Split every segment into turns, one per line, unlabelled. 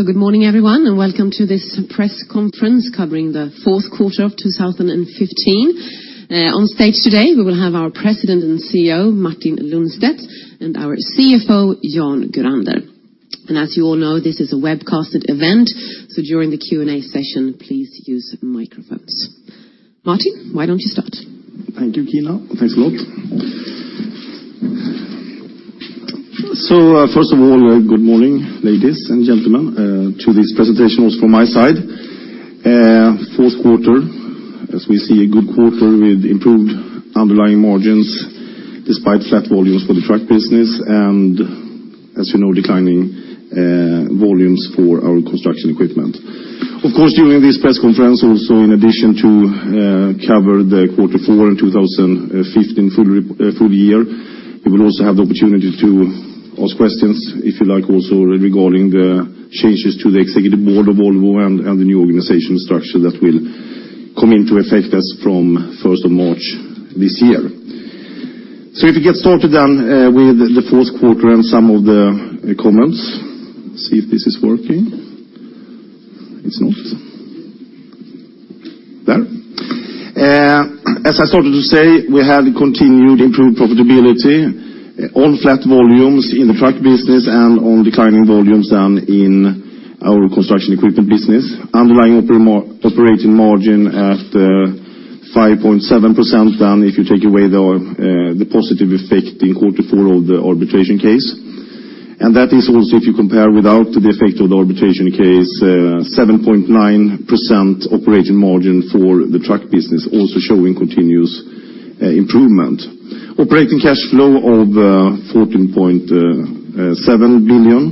Good morning, everyone, and welcome to this press conference covering the fourth quarter of 2015. On stage today, we will have our President and CEO, Martin Lundstedt, and our CFO, Jan Gurander. As you all know, this is a webcasted event, so during the Q&A session, please use microphones. Martin, why don't you start?
Thank you, Kina. Thanks a lot. First of all, good morning, ladies and gentlemen, to these presentations from my side. Fourth quarter, as we see, a good quarter with improved underlying margins despite flat volumes for the truck business and, as you know, declining volumes for our construction equipment. Of course, during this press conference, also in addition to cover the quarter four in 2015 full year, we will also have the opportunity to ask questions, if you like, also regarding the changes to the executive board of Volvo and the new organization structure that will come into effect as from 1st of March this year. If we get started with the fourth quarter and some of the comments. See if this is working. It's not. There. As I started to say, we have continued improved profitability on flat volumes in the truck business and on declining volumes in our construction equipment business. Underlying operating margin at 5.7% if you take away the positive effect in quarter four of the arbitration case. That is also, if you compare without the effect of the arbitration case, 7.9% operating margin for the truck business, also showing continuous improvement. Operating cash flow of 14.7 billion,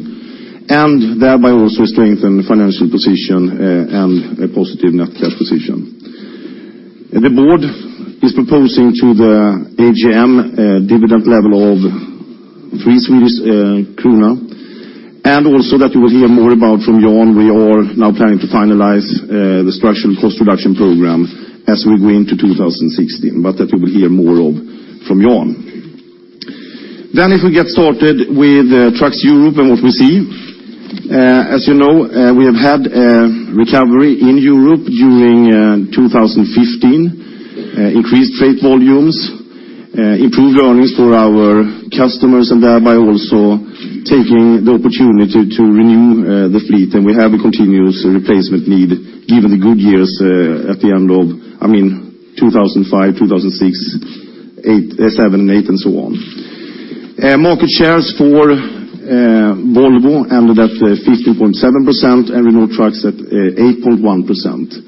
thereby also strengthened financial position and a positive net cash position. The board is proposing to the AGM a dividend level of SEK 3, also that you will hear more about from Jan. We are now planning to finalize the structural cost reduction program as we go into 2016, that you will hear more of from Jan. If we get started with Trucks Europe and what we see. As you know, we have had a recovery in Europe during 2015, increased trade volumes, improved earnings for our customers, thereby also taking the opportunity to renew the fleet. We have a continuous replacement need given the good years at the end of 2005, 2006, 2007 and 2008 and so on. Market shares for Volvo ended at 15.7% and Renault Trucks at 8.1%.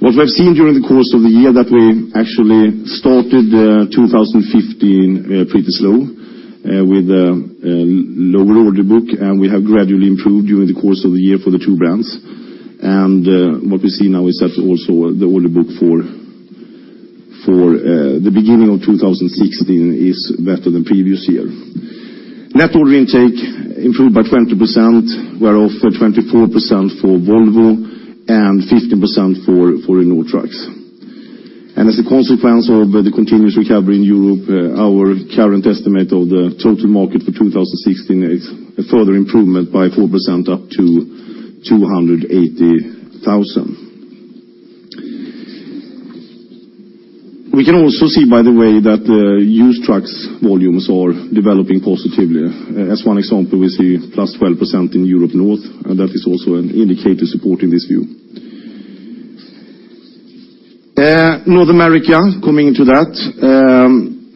What we've seen during the course of the year that we actually started 2015 pretty slow with a lower order book, we have gradually improved during the course of the year for the two brands. What we see now is that also the order book for the beginning of 2016 is better than previous year. Net order intake improved by 20%, whereof 24% for Volvo and 15% for Renault Trucks. As a consequence of the continuous recovery in Europe, our current estimate of the total market for 2016 is a further improvement by 4% up to 280,000. We can also see, by the way, that used trucks volumes are developing positively. As one example, we see +12% in Europe North, that is also an indicator supporting this view. North America, coming to that.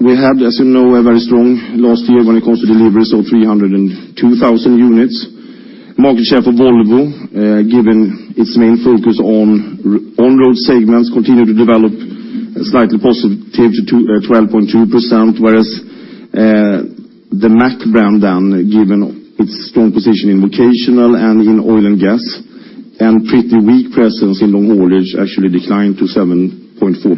We had, as you know, a very strong last year when it comes to deliveries of 302,000 units. Market share for Volvo, given its main focus on road segments, continued to develop slightly positive to 12.2%, whereas the Mack brand, given its strong position in vocational and in oil and gas and pretty weak presence in long haulage, actually declined to 7.4%.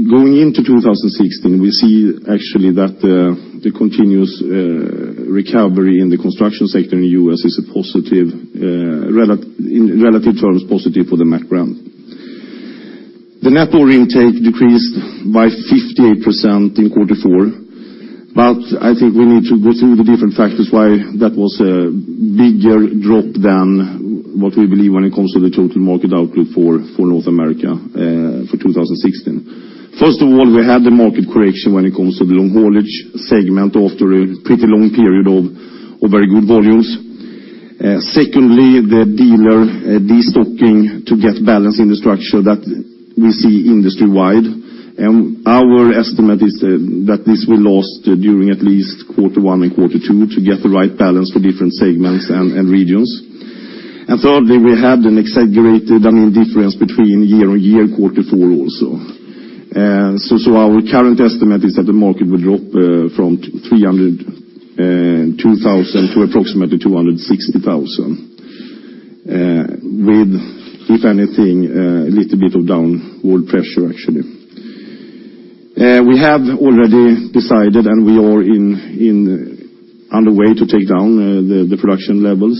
Going into 2016, we see actually that the continuous recovery in the construction sector in the U.S., in relative terms, positive for the Mack brand. The net order intake decreased by 58% in quarter four. I think we need to go through the different factors why that was a bigger drop than what we believe when it comes to the total market outlook for North America for 2016. First of all, we had the market correction when it comes to the long haulage segment after a pretty long period of very good volumes. Secondly, the dealer destocking to get balance in the structure that we see industry-wide. Our estimate is that this will last during at least quarter one and quarter two to get the right balance for different segments and regions. Thirdly, we had an exaggerated difference between year-over-year, quarter four also. Our current estimate is that the market will drop from 302,000 to approximately 260,000 with, if anything, a little bit of downward pressure, actually. We have already decided, we are on the way to take down the production levels.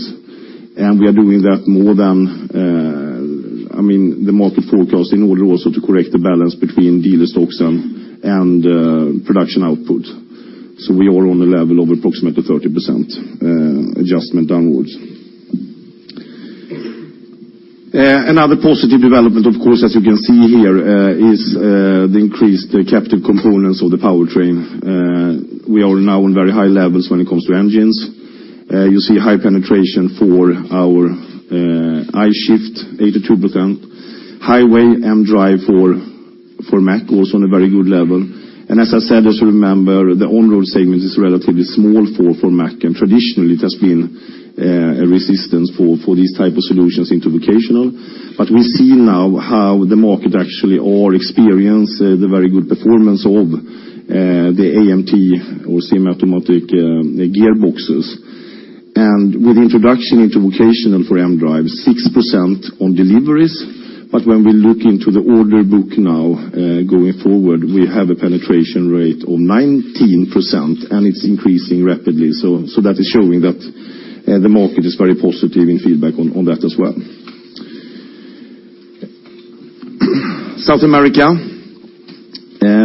We are doing that more than the market forecast in order also to correct the balance between dealer stocks and production output. We are on the level of approximately 30% adjustment downwards. Another positive development, of course, as you can see here, is the increased captive components of the powertrain. We are now on very high levels when it comes to engines. You see high penetration for our I-Shift, 82%. Highway mDRIVE for Mack, also on a very good level. As I said, as you remember, the on-road segment is relatively small for Mack, and traditionally it has been a resistance for these type of solutions into vocational. We see now how the market actually, or experience the very good performance of the AMT or semi-automatic gearboxes. With introduction into vocational for mDRIVEs, 6% on deliveries, when we look into the order book now, going forward, we have a penetration rate of 19% and it's increasing rapidly. That is showing that the market is very positive in feedback on that as well. South America.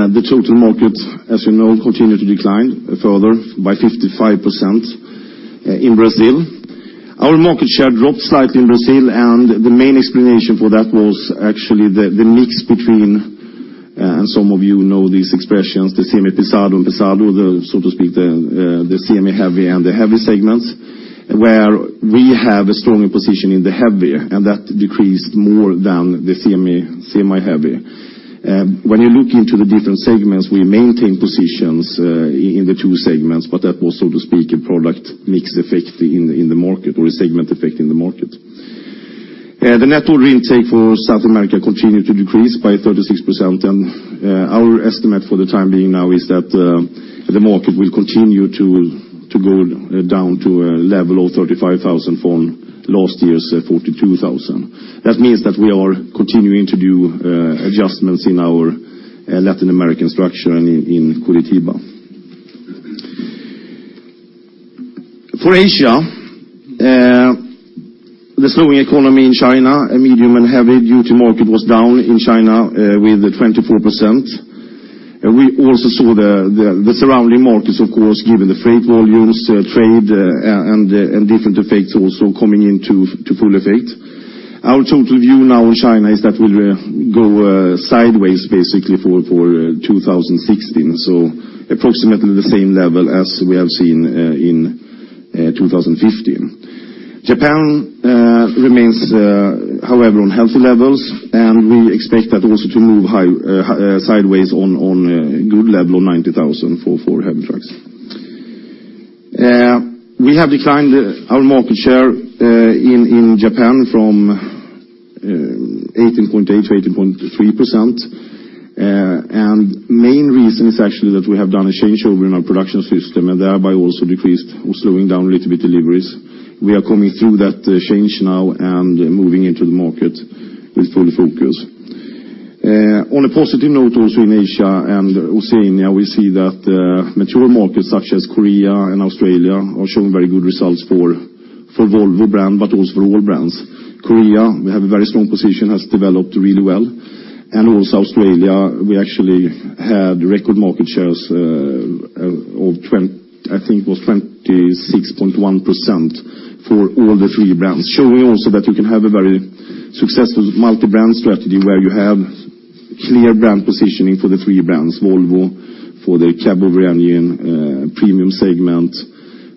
The total market, as you know, continued to decline further by 55% in Brazil. Our market share dropped slightly in Brazil, the main explanation for that was actually the mix between, and some of you know these expressions, so to speak, the semi-heavy and the heavy segments. Where we have a stronger position in the heavier, that decreased more than the semi-heavy. When you look into the different segments, we maintain positions in the two segments, that was, so to speak, a product mix effect in the market or a segment effect in the market. The net order intake for South America continued to decrease by 36%, our estimate for the time being now is that the market will continue to go down to a level of 35,000 from last year's 42,000. That means that we are continuing to do adjustments in our Latin American structure and in Curitiba. For Asia, the slowing economy in China, a medium and heavy-duty market was down in China with 24%. We also saw the surrounding markets, of course, given the freight volumes, trade, and different effects also coming into full effect. Our total view now in China is that we'll go sideways basically for 2016. Approximately the same level as we have seen in 2015. Japan remains, however, on healthy levels, we expect that also to move sideways on a good level of 90,000 for heavy trucks. We have declined our market share in Japan from 18.8% to 18.3%, main reason is actually that we have done a changeover in our production system and thereby also decreased or slowing down a little bit deliveries. We are coming through that change now and moving into the market with full focus. On a positive note also in Asia and Oceania, we see that mature markets such as Korea and Australia are showing very good results for Volvo brand, also for all brands. Korea, we have a very strong position, has developed really well. Also Australia, we actually had record market shares of, I think it was 26.1% for all the three brands. Showing also that you can have a very successful multi-brand strategy where you have clear brand positioning for the three brands, Volvo for the cabover union premium segment,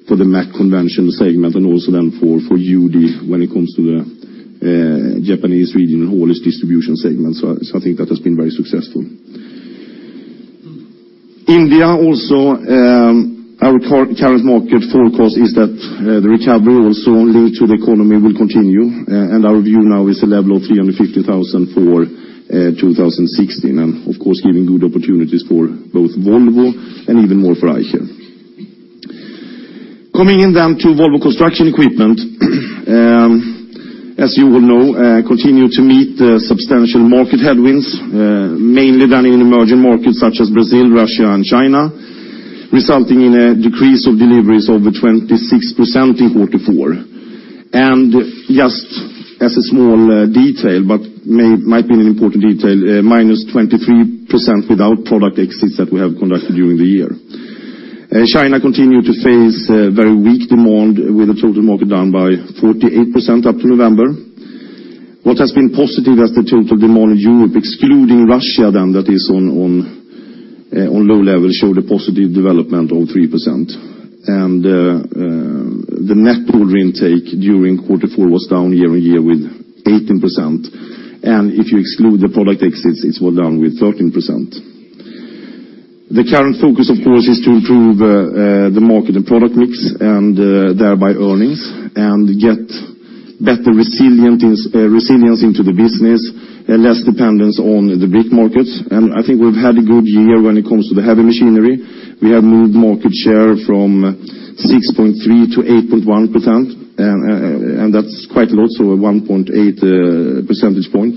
for the Mack Convention segment, also then for UD when it comes to the Japanese regional haulage distribution segment. I think that has been very successful. India also, our current market forecast is that the recovery also linked to the economy will continue. Our view now is a level of 350,000 for 2016, of course giving good opportunities for both Volvo and even more for Eicher. Coming in then to Volvo Construction Equipment. As you will know, continue to meet the substantial market headwinds, mainly done in emerging markets such as Brazil, Russia, and China, resulting in a decrease of deliveries over 26% in Q4. Just as a small detail, might be an important detail, -23% without product exits that we have conducted during the year. China continued to face very weak demand with the total market down by 48% up to November. What has been positive is the total demand in Europe, excluding Russia, that is on low level, showed a positive development of 3%. The net order intake during quarter four was down year-on-year with 18%. If you exclude the product exits, it was down with 13%. The current focus, of course, is to improve the market and product mix and thereby earnings and get better resilience into the business and less dependence on the big markets. I think we've had a good year when it comes to the heavy machinery. We have moved market share from 6.3% to 8.1%, and that's quite a lot, so 1.8 percentage point.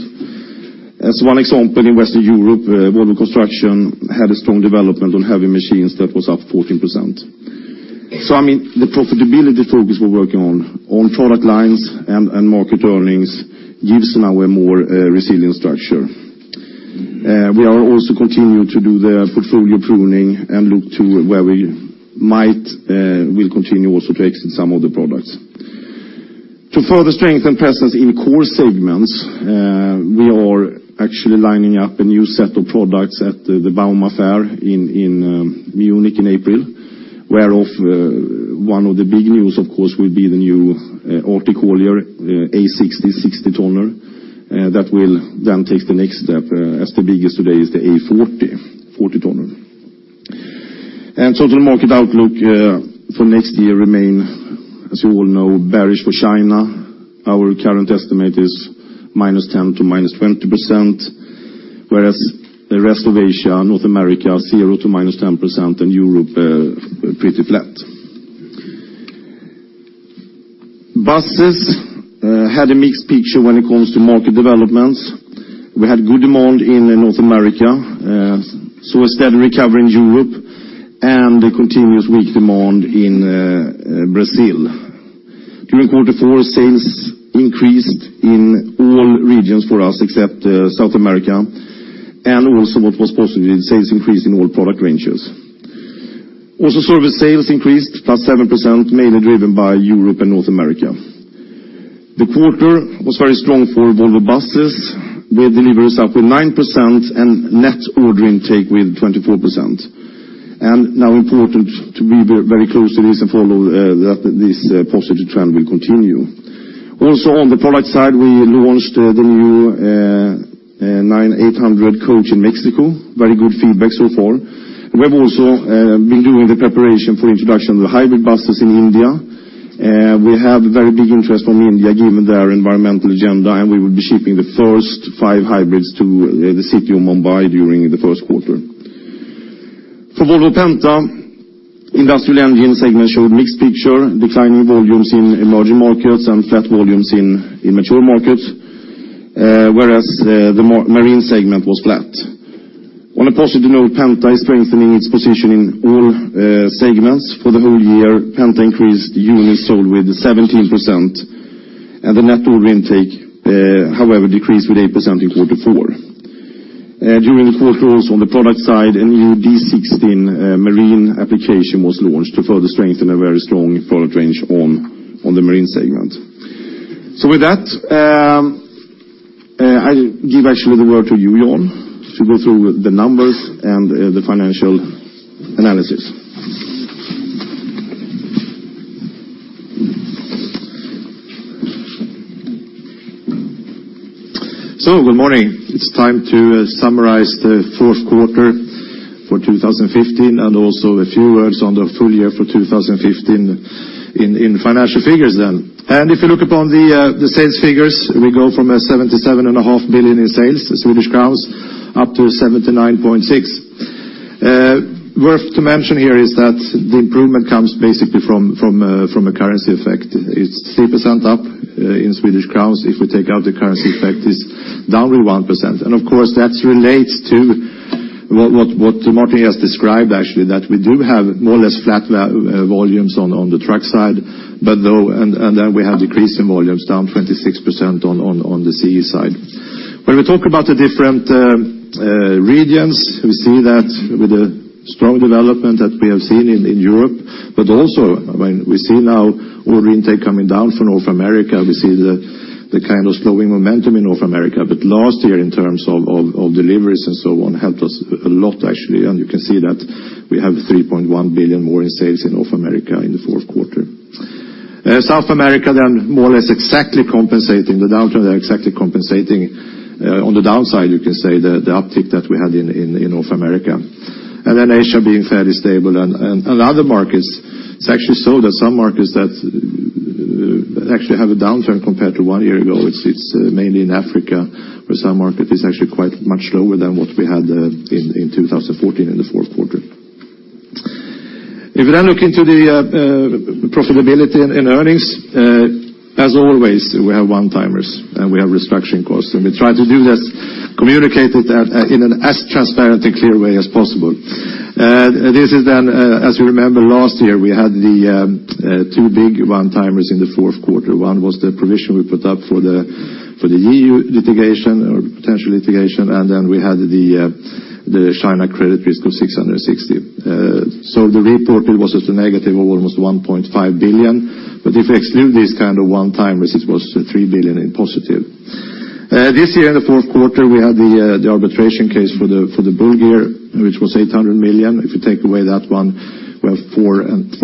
As one example, in Western Europe, Volvo Construction had a strong development on heavy machines that was up 14%. The profitability focus we're working on product lines and market earnings gives now a more resilient structure. We are also continuing to do the portfolio pruning and look to where we'll continue also to exit some of the products. To further strengthen presence in core segments, we are actually lining up a new set of products at the Bauma fair in Munich in April, where of one of the big news, of course, will be the new articulated hauler, the A60 60-tonner. That will then take the next step, as the biggest today is the A40 40-tonner. The market outlook for next year remain, as you all know, bearish for China. Our current estimate is -10% to -20%, whereas the rest of Asia, North America, 0% to -10%, and Europe pretty flat. Buses had a mixed picture when it comes to market developments. We had good demand in North America, saw a steady recovery in Europe, and the continuous weak demand in Brazil. During quarter four, sales increased in all regions for us except South America, and also what was positive, sales increased in all product ranges. Also service sales increased +7%, mainly driven by Europe and North America. The quarter was very strong for Volvo Buses, with deliveries up with 9% and net order intake with 24%. Now important to be very close to this and follow that this positive trend will continue. Also on the product side, we launched the new 9800 coach in Mexico. Very good feedback so far. We have also been doing the preparation for introduction of the hybrid buses in India. We have very big interest from India given their environmental agenda, and we will be shipping the first five hybrids to the city of Mumbai during the first quarter. For Volvo Penta, industrial engine segment showed mixed picture, declining volumes in emerging markets and flat volumes in mature markets, whereas the marine segment was flat. On a positive note, Penta is strengthening its position in all segments for the whole year. Penta increased units sold with 17%, and the net order intake, however, decreased with 8% in quarter four. During the fourth quarter on the product side, a new D16 marine application was launched to further strengthen a very strong product range on the marine segment. With that, I give actually the word to you, Jan, to go through the numbers and the financial analysis.
Good morning. It's time to summarize the fourth quarter for 2015 and also a few words on the full year for 2015 in financial figures. If you look upon the sales figures, we go from 77.5 billion in sales, up to 79.6 billion. Worth to mention here is that the improvement comes basically from a currency effect. It's 3% up in SEK. If we take out the currency effect, it's down with 1%. Of course, that relates to what Martin has described actually, that we do have more or less flat volumes on the truck side, and then we have decreasing volumes down 26% on the CE side. When we talk about the different regions, we see that with the strong development that we have seen in Europe, but also we see now order intake coming down from North America. We see the kind of slowing momentum in North America. Last year in terms of deliveries and so on helped us a lot, actually, and you can see that we have 3.1 billion more in sales in North America in the fourth quarter. South America, they are more or less exactly compensating the downturn. They're exactly compensating on the downside, you can say, the uptick that we had in North America. Asia being fairly stable and other markets, it's actually so that some markets that actually have a downturn compared to one year ago. It's mainly in Africa where some market is actually quite much lower than what we had in 2014 in the fourth quarter. If you look into the profitability and earnings, as always, we have one-timers, we have restructuring costs, we try to do this, communicate it in an as transparent and clear way as possible. This is, as you remember, last year, we had the two big one-timers in the fourth quarter. One was the provision we put up for the EU litigation or potential litigation, we had the China credit risk of 660 million. The reported was as a negative of almost 1.5 billion, but if we exclude these kind of one-timers, it was 3 billion in positive. This year in the fourth quarter, we had the arbitration case for Bulgaria, which was 800 million. If you take away that one, we have 4.6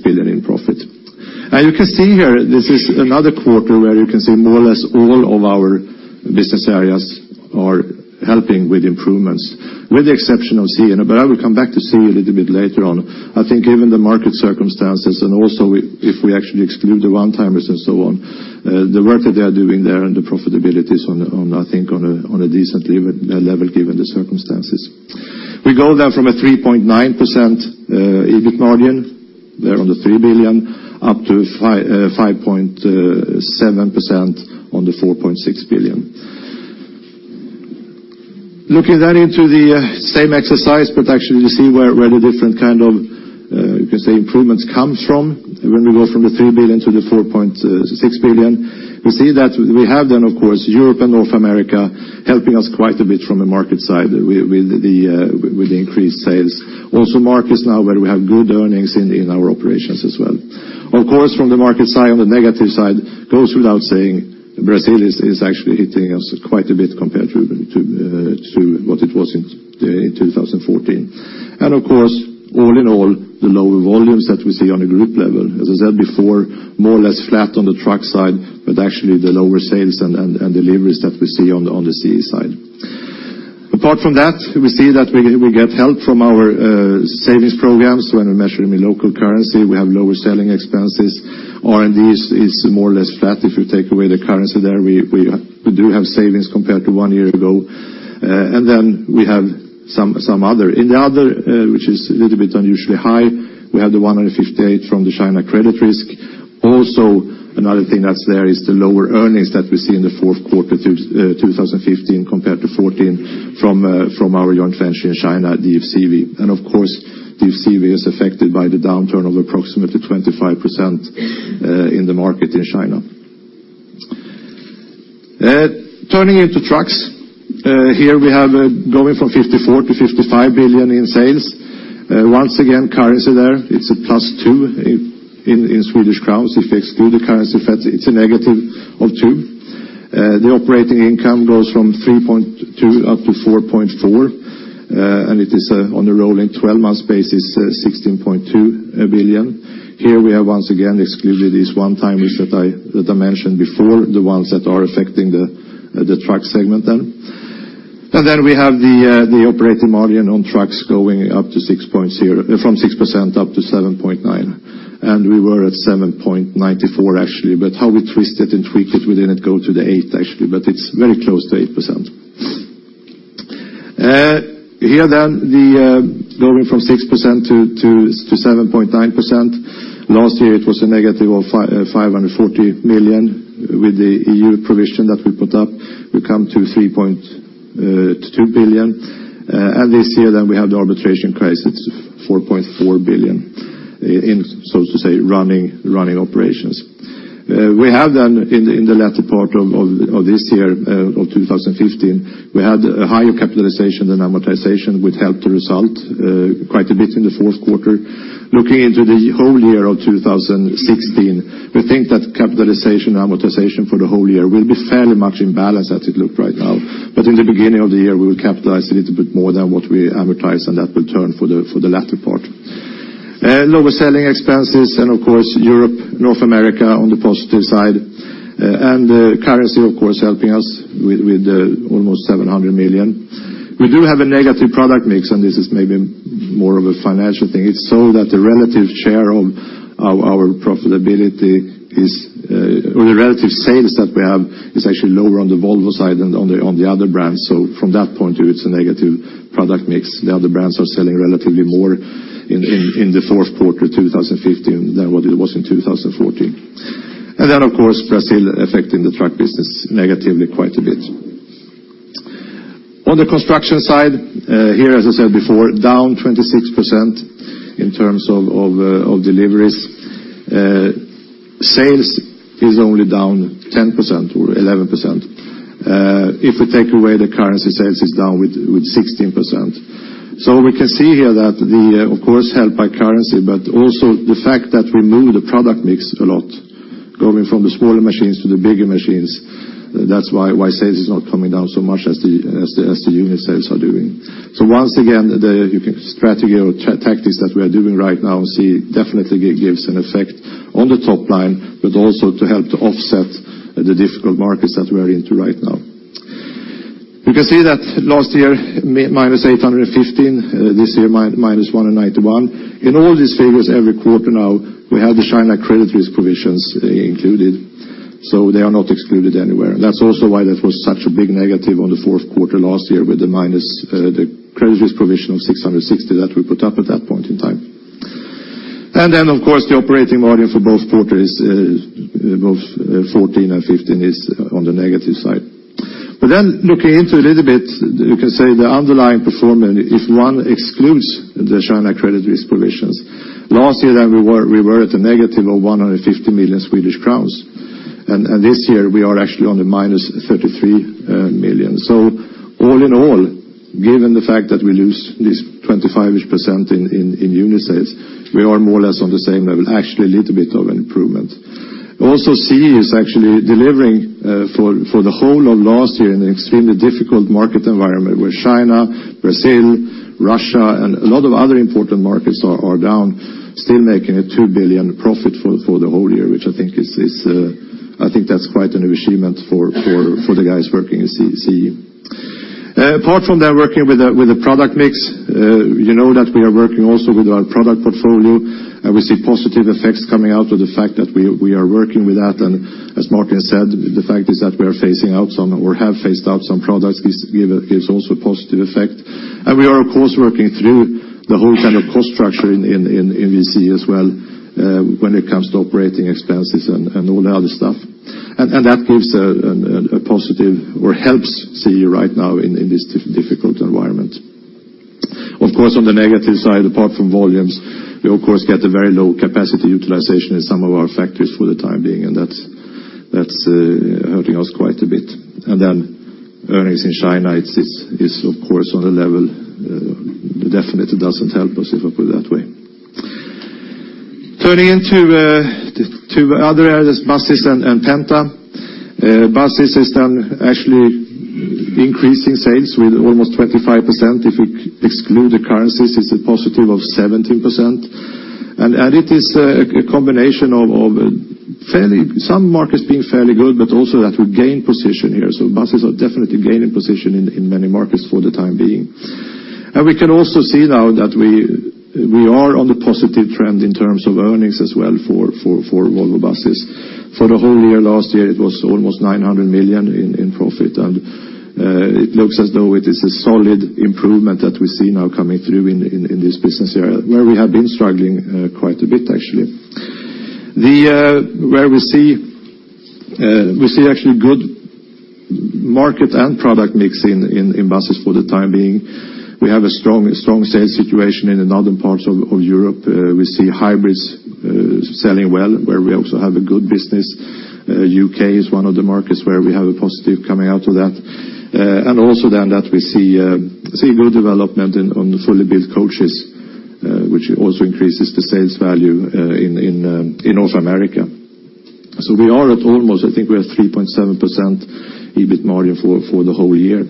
billion in profit. You can see here, this is another quarter where you can see more or less all of our business areas are helping with improvements, with the exception of CE, I will come back to CE a little bit later on. I think given the market circumstances and also if we actually exclude the one-timers and so on, the work that they are doing there and the profitability is on, I think, on a decent level given the circumstances. We go from a 3.9% EBIT margin, there on the 3 billion, up to 5.7% on the 4.6 billion. Looking into the same exercise, actually you see where the different kind of, you can say, improvements comes from when we go from the 3 billion to the 4.6 billion. We see that we have then, of course, Europe and North America helping us quite a bit from a market side with the increased sales. Also markets now where we have good earnings in our operations as well. Of course, from the market side, on the negative side, goes without saying, Brazil is actually hitting us quite a bit compared to what it was in 2014. Of course, all in all, the lower volumes that we see on a group level. As I said before, more or less flat on the truck side, but actually the lower sales and deliveries that we see on the CE side. Apart from that, we see that we get help from our savings programs. When we measure them in local currency, we have lower selling expenses. R&D is more or less flat if you take away the currency there. We do have savings compared to one year ago. Then we have some other. In the other, which is a little bit unusually high, we have the 158 from the China credit risk. Also, another thing that's there is the lower earnings that we see in the fourth quarter 2015 compared to 2014 from our joint venture in China, DFCV. Of course, DFCV is affected by the downturn of approximately 25% in the market in China. Turning into trucks. Here we have going from 54 billion to 55 billion in sales. Once again, currency there, it's a plus 2. If you exclude the currency effect, it's a negative of 2. The operating income goes from 3.2 up to 4.4, and it is on the rolling 12 months basis, 16.2 billion. Here we have once again excluded these one-timers that I mentioned before, the ones that are affecting the truck segment then. Then we have the operating margin on trucks going from 6% up to 7.9%. We were at 7.94% actually, but how we twist it and tweak it, we didn't go to the 8% actually, but it's very close to 8%. Here then, going from 6% to 7.9%. Last year it was a negative of 540 million with the EU provision that we put up. We come to 3.2 billion. This year then we have the arbitration case, 4.4 billion in, so to say, running operations. We have then in the latter part of this year, of 2015, we had a higher capitalization than amortization, which helped the result quite a bit in the fourth quarter. Looking into the whole year of 2016, we think that capitalization and amortization for the whole year will be fairly much in balance as it look right now. In the beginning of the year, we will capitalize a little bit more than what we amortize, and that will turn for the latter part. Lower selling expenses, of course, Europe, North America on the positive side. Currency, of course, helping us with almost 700 million. We do have a negative product mix, this is maybe more of a financial thing. It's so that the relative share of our profitability or the relative sales that we have is actually lower on the Volvo side than on the other brands. From that point of view, it's a negative product mix. The other brands are selling relatively more in the fourth quarter 2015 than what it was in 2014. Of course, Brazil affecting the truck business negatively quite a bit. On the construction side, here, as I said before, down 26% in terms of deliveries. Sales is only down 10% or 11%. If we take away the currency, sales is down with 16%. We can see here that the, of course, helped by currency, but also the fact that we move the product mix a lot, going from the smaller machines to the bigger machines. That's why sales is not coming down so much as the unit sales are doing. Once again, the strategy or tactics that we are doing right now, CE definitely gives an effect on the top line, but also to help to offset the difficult markets that we are into right now. You can see that last year, minus 815, this year, minus 191. In all these figures every quarter now, we have the China credit risk provisions included, so they are not excluded anywhere. That's also why that was such a big negative on the fourth quarter last year with the minus, the credit risk provision of 660 that we put up at that point in time. Of course, the operating margin for both quarter is both 2014 and 2015 is on the negative side. Looking into a little bit, you can say the underlying performance, if one excludes the China credit risk provisions. Last year then we were at a negative of 150 million Swedish crowns, and this year we are actually on the minus 33 million. All in all, given the fact that we lose this 25-ish% in unit sales, we are more or less on the same level, actually a little bit of an improvement. Also, CE is actually delivering for the whole of last year in an extremely difficult market environment where China, Brazil, Russia, and a lot of other important markets are down, still making a 2 billion profit for the whole year, which I think that's quite an achievement for the guys working in CE. Apart from that, working with the product mix, you know that we are working also with our product portfolio, and we see positive effects coming out of the fact that we are working with that. As Martin said, the fact is that we are phasing out some, or have phased out some products gives also a positive effect. We are, of course, working through the whole cost structure in VC as well when it comes to operating expenses and all the other stuff. That gives a positive or helps CE right now in this difficult environment. Of course, on the negative side, apart from volumes, we of course get a very low capacity utilization in some of our factories for the time being, and that's hurting us quite a bit. Earnings in China, it's of course on the level, definitely doesn't help us, if I put it that way. Turning into two other areas, Buses and Penta. Buses has done actually increasing sales with almost 25%. If we exclude the currencies, it's a positive of 17%. It is a combination of some markets being fairly good, but also that we gain position here. Buses are definitely gaining position in many markets for the time being. We can also see now that we are on the positive trend in terms of earnings as well for Volvo Buses. For the whole year last year, it was almost 900 million in profit and it looks as though it is a solid improvement that we see now coming through in this business area where we have been struggling quite a bit, actually. We see actually good market and product mix in Buses for the time being. We have a strong sales situation in the northern parts of Europe. We see hybrids selling well, where we also have a good business. U.K. is one of the markets where we have a positive coming out of that. Also that we see good development on the fully built coaches, which also increases the sales value in North America. We are at almost, I think we are 3.7% EBIT margin for the whole year.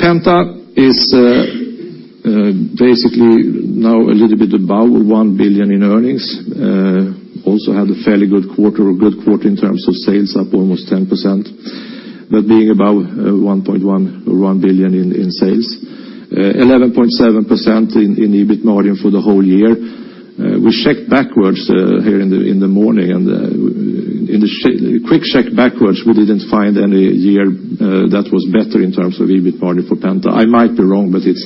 Penta is basically now a little bit above 1 billion in earnings. Had a fairly good quarter in terms of sales, up almost 10%, but being above 1.1 billion or 1 billion in sales. 11.7% in EBIT margin for the whole year. We checked backwards here in the morning and in the quick check backwards, we didn't find any year that was better in terms of EBIT margin for Penta. I might be wrong, but it's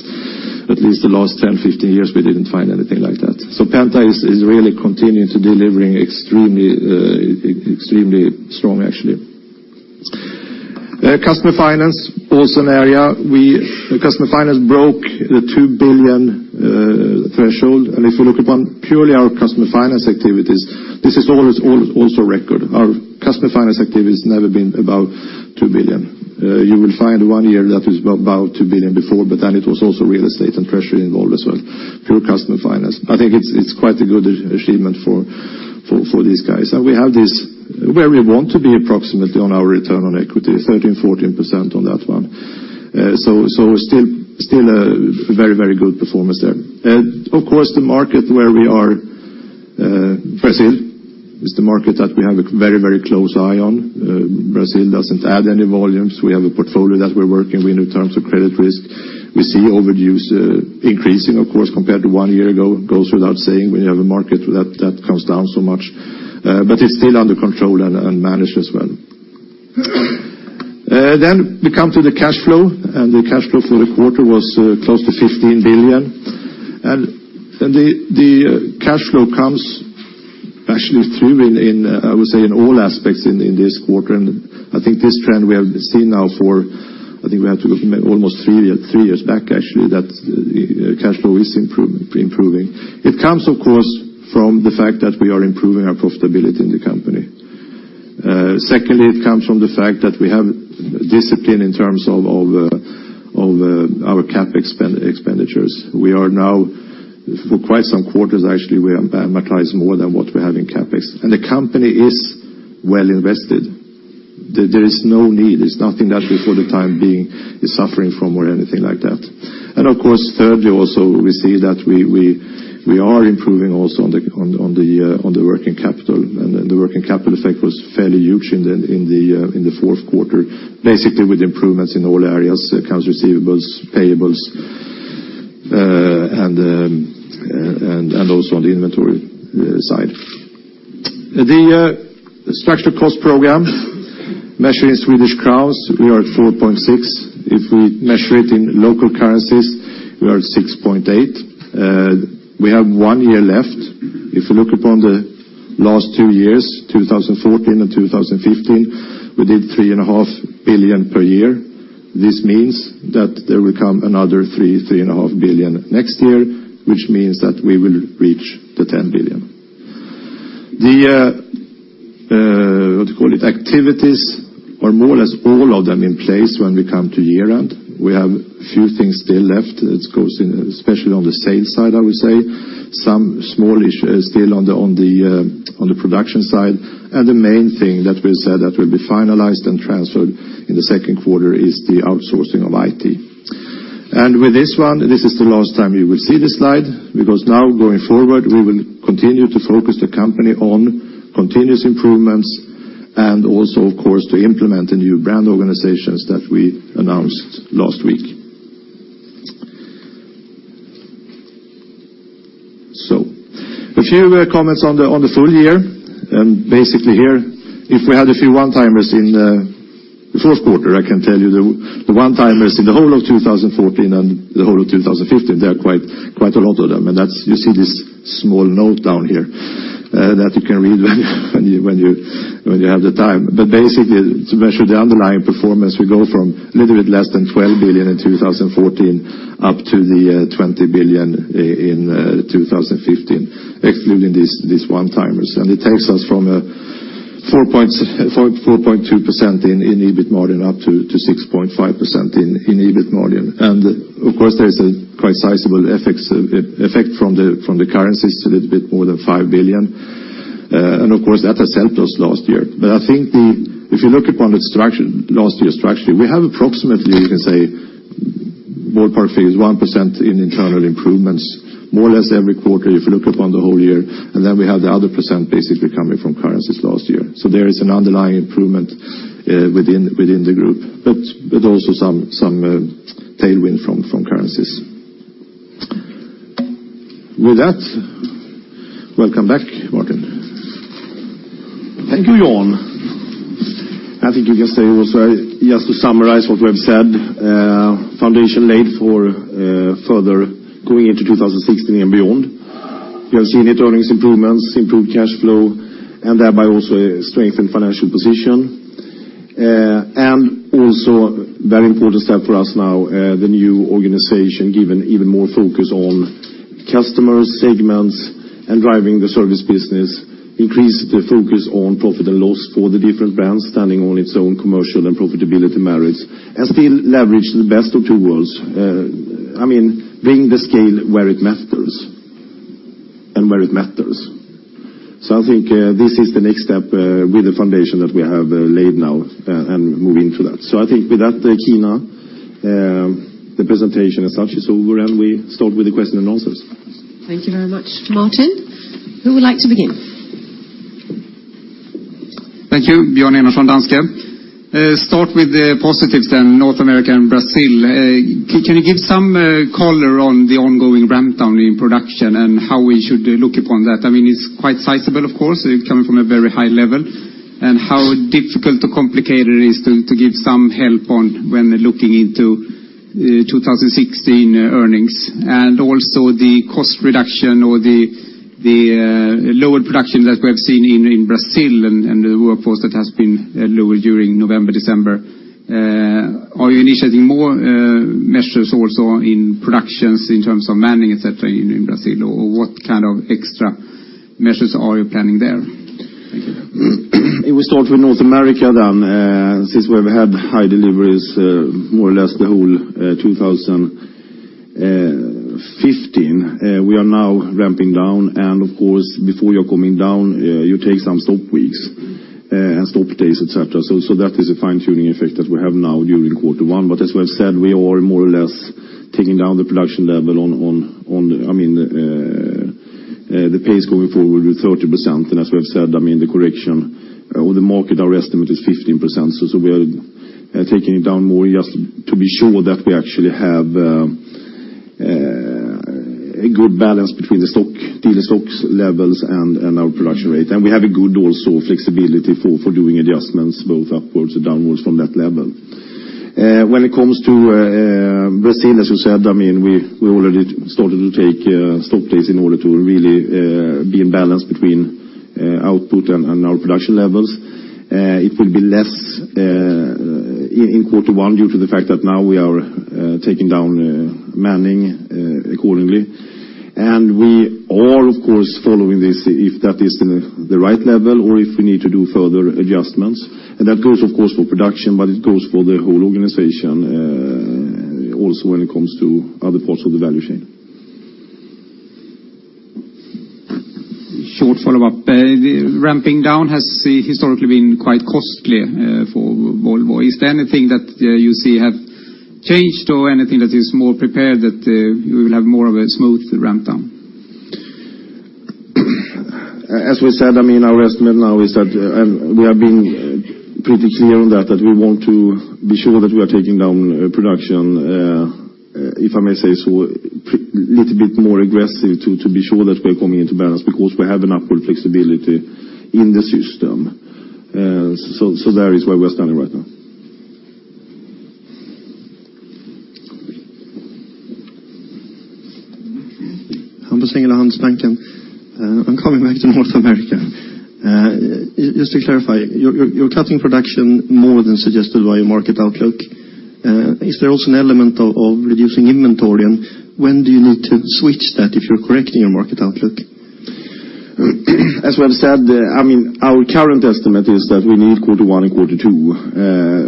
at least the last 10-15 years, we didn't find anything like that. Penta is really continuing to delivering extremely strong, actually. Customer finance, also an area. Customer finance broke the 2 billion threshold. If you look upon purely our customer finance activities, this is also a record. Our customer finance activity has never been above 2 billion. You will find one year that was above 2 billion before, but then it was also real estate and treasury involved as well. Pure customer finance. I think it's quite a good achievement for these guys. We have this where we want to be approximately on our return on equity, 13%-14% on that one. Still a very good performance there. Of course, the market where we are, Brazil, is the market that we have a very close eye on. Brazil doesn't add any volumes. We have a portfolio that we're working with in terms of credit risk. We see overdues increasing, of course, compared to one year ago. It goes without saying, we have a market that comes down so much. It's still under control and managed as well. We come to the cash flow, and the cash flow for the quarter was close to 15 billion. The cash flow comes actually through in, I would say, in all aspects in this quarter. I think this trend we have seen now for, I think we have to almost three years back, actually, that cash flow is improving. It comes, of course, from the fact that we are improving our profitability in the company. Secondly, it comes from the fact that we have discipline in terms of our cap expenditures. We are now for quite some quarters, actually, we amortize more than what we have in CapEx. The company is well invested. There is no need. There's nothing that we for the time being is suffering from or anything like that. Of course, thirdly, also, we see that we are improving also on the working capital. The working capital effect was fairly huge in the fourth quarter, basically with improvements in all areas, accounts receivables, payables, and also on the inventory side. The structural cost program measured in SEK, we are at 4.6. If we measure it in local currencies, we are at 6.8. We have one year left. If you look upon the last two years, 2014 and 2015, we did three and a half billion per year. This means that there will come another three billion-SEK three and a half billion next year, which means that we will reach the 10 billion. The, what do you call it, activities are more or less all of them in place when we come to year-end. We have a few things still left, especially on the sales side, I would say. Some small issues still on the production side. The main thing that we said that will be finalized and transferred in the second quarter is the outsourcing of IT. With this one, this is the last time you will see this slide, because now going forward, we will continue to focus the company on continuous improvements and also, of course, to implement the new brand organizations that we announced last week. A few comments on the full year. Basically here, if we had a few one-timers in the fourth quarter, I can tell you the one-timers in the whole of 2014 and the whole of 2015, there are quite a lot of them. You see this small note down here that you can read when you have the time. Basically, to measure the underlying performance, we go from a little bit less than 12 billion in 2014 up to the 20 billion in 2015, excluding these one-timers. It takes us from a 4.2% in EBIT margin up to 6.5% in EBIT margin. Of course, there is a quite sizable effect from the currencies, a little bit more than 5 billion. Of course, that has helped us last year. I think if you look upon last year's structure, we have approximately, you can say more partly is 1% in internal improvements, more or less every quarter if you look upon the whole year, and then we have the other percent basically coming from currencies last year. There is an underlying improvement within the group, but also some tailwind from currencies. With that, welcome back, Martin.
Thank you, Jan. I think you can say also, just to summarize what we have said, foundation laid for further going into 2016 and beyond. You have seen it, earnings improvements, improved cash flow, and thereby also a strengthened financial position. Also a very important step for us now, the new organization giving even more focus on customer segments and driving the service business, increased the focus on profit and loss for the different brands standing on its own commercial and profitability merits, and still leverage the best of two worlds. I mean, bringing the scale where it matters. I think this is the next step with the foundation that we have laid now and moving through that. I think with that, Kina, the presentation as such is over and we start with the question and answers.
Thank you very much, Martin. Who would like to begin?
Thank you, Björn Enarson, Danske Bank. Start with the positives, North America and Brazil. Can you give some color on the ongoing ramp down in production and how we should look upon that? It is quite sizable, of course, coming from a very high level, and how difficult or complicated it is to give some help on when looking into 2016 earnings. Also the cost reduction or the lower production that we have seen in Brazil and the workforce that has been lower during November, December. Are you initiating more measures also in productions in terms of manning, et cetera, in Brazil? What kind of extra measures are you planning there?
We start with North America. Since we have had high deliveries more or less the whole 2015, we are now ramping down, and of course, before you are coming down, you take some stop weeks and stop days, et cetera. That is a fine-tuning effect that we have now during quarter one. As we have said, we are more or less taking down the production level on the pace going forward with 30%. As we have said, the correction on the market, our estimate is 15%. We are taking it down more just to be sure that we actually have a good balance between the dealer stocks levels and our production rate. We have a good also flexibility for doing adjustments both upwards or downwards from that level. When it comes to Brazil, as you said, we already started to take stop days in order to really be in balance between output and our production levels. It will be less in quarter one due to the fact that now we are taking down manning accordingly. We are, of course, following this, if that is the right level or if we need to do further adjustments. That goes, of course, for production, but it goes for the whole organization also when it comes to other parts of the value chain.
Short follow-up. The ramping down has historically been quite costly for Volvo. Is there anything that you see have changed or anything that is more prepared that we will have more of a smooth ramp down?
As we said, our estimate now is that we have been pretty clear on that we want to be sure that we are taking down production, if I may say so, a little bit more aggressive to be sure that we're coming into balance because we have an upward flexibility in the system. There is where we're standing right now.
Hampus Engellau, Handelsbanken. I'm coming back to North America. Just to clarify, you're cutting production more than suggested by your market outlook. Is there also an element of reducing inventory, and when do you need to switch that if you're correcting your market outlook?
As we have said, our current estimate is that we need quarter one and quarter two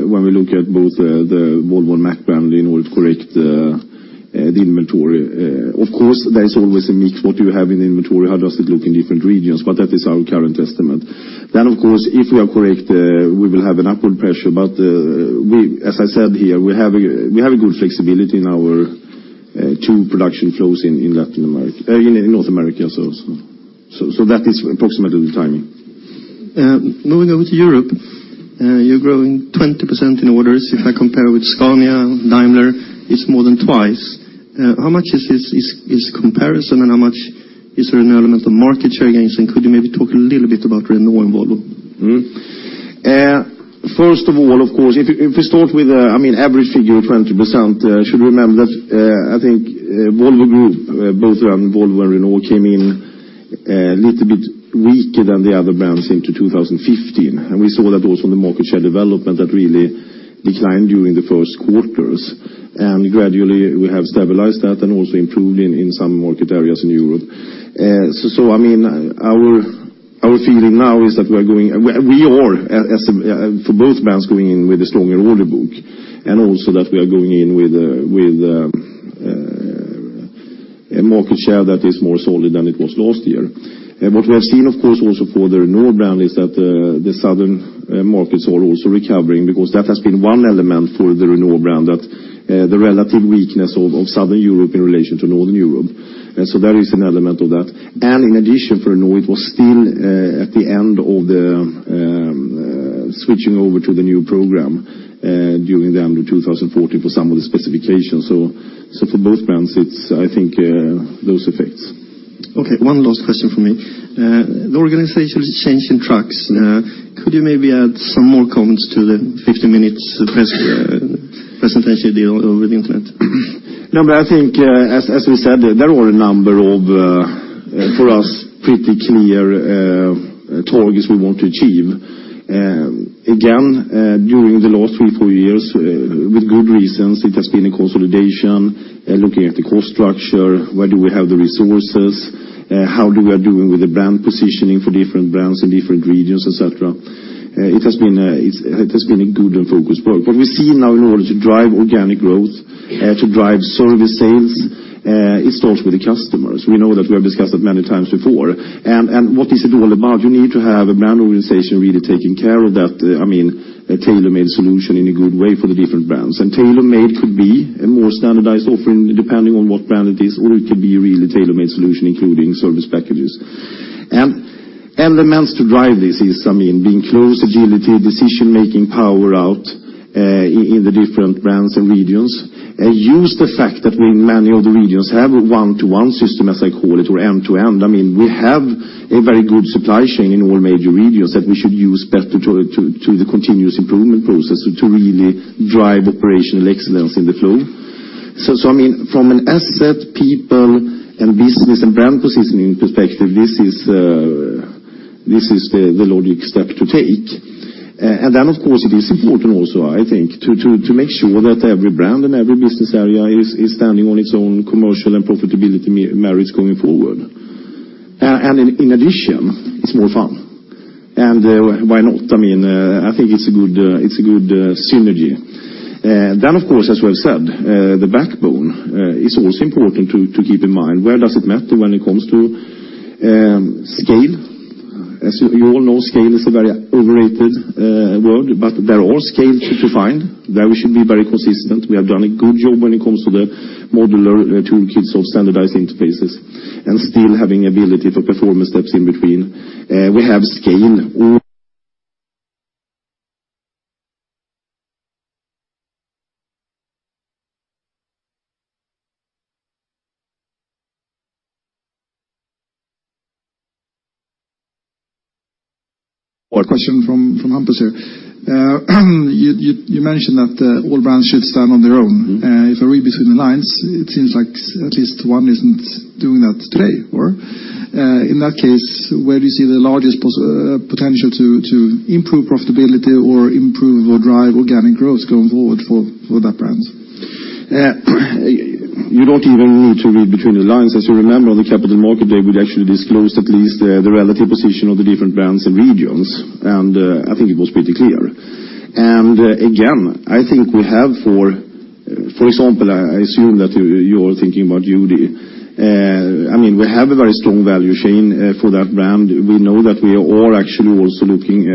when we look at both the Volvo, Mack brand in order to correct the inventory. Of course, there is always a mix. What do you have in inventory? How does it look in different regions? That is our current estimate. Of course, if we are correct, we will have an upward pressure. As I said here, we have a good flexibility in our two production flows in Latin America, in North America also. That is approximately the timing.
Moving over to Europe, you're growing 20% in orders. If I compare with Scania, Daimler, it's more than twice. How much is comparison and how much is there an element of market share gains? Could you maybe talk a little bit about Renault and Volvo?
First of all, if we start with average figure of 20%, should remember that Volvo Group, both around Volvo and Renault, came in a little bit weaker than the other brands into 2015. We saw that also in the market share development that really declined during the first quarters. Gradually we have stabilized that and also improved in some market areas in Europe. Our feeling now is that we are, for both brands, going in with a stronger order book and also that we are going in with a market share that is more solid than it was last year. What we have seen, of course, also for the Renault brand is that the southern markets are also recovering because that has been one element for the Renault brand, that the relative weakness of Southern Europe in relation to Northern Europe. There is an element of that. In addition, for Renault, it was still at the end of the switching over to the new program during the end of 2014 for some of the specifications. For both brands, it's I think those effects.
Okay, one last question from me. The organizational change in trucks, could you maybe add some more comments to the 50 minutes presentation you did over the internet?
No, I think as we said, there are a number of, for us, pretty clear targets we want to achieve. Again, during the last three, four years, with good reasons, it has been a consolidation, looking at the cost structure, where do we have the resources, how we are doing with the brand positioning for different brands in different regions, et cetera. It has been a good and focused work. What we see now in order to drive organic growth, to drive service sales, it starts with the customers. We know that we have discussed that many times before, and what is it all about? You need to have a brand organization really taking care of that, a tailor-made solution in a good way for the different brands. Tailor-made could be a more standardized offering depending on what brand it is, or it could be really tailor-made solution including service packages. Elements to drive this is being close, agility, decision-making power out in the different brands and regions, use the fact that many of the regions have a one-to-one system as I call it, or end-to-end. We have a very good supply chain in all major regions that we should use better to the continuous improvement process to really drive operational excellence in the flow. From an asset, people, and business and brand positioning perspective, this is the logic step to take. Then, of course, it is important also, I think, to make sure that every brand and every business area is standing on its own commercial and profitability merits going forward. In addition, it's more fun. Why not? I think it's a good synergy. Of course, as we have said, the backbone is also important to keep in mind. Where does it matter when it comes to scale? You all know, scale is a very overrated word, but there are scale to find. There we should be very consistent. We have done a good job when it comes to the modular toolkits of standardized interfaces and still having ability for performance steps in between.
Question from Hampus here. You mentioned that all brands should stand on their own. If I read between the lines, it seems like at least one isn't doing that today, or in that case, where do you see the largest potential to improve profitability or improve or drive organic growth going forward for that brand?
You don't even need to read between the lines. As you remember, on the capital market day, we actually disclosed at least the relative position of the different brands and regions. I think it was pretty clear. Again, I think we have for example, I assume that you're thinking about UD. We have a very strong value chain for that brand. We know that we are actually also looking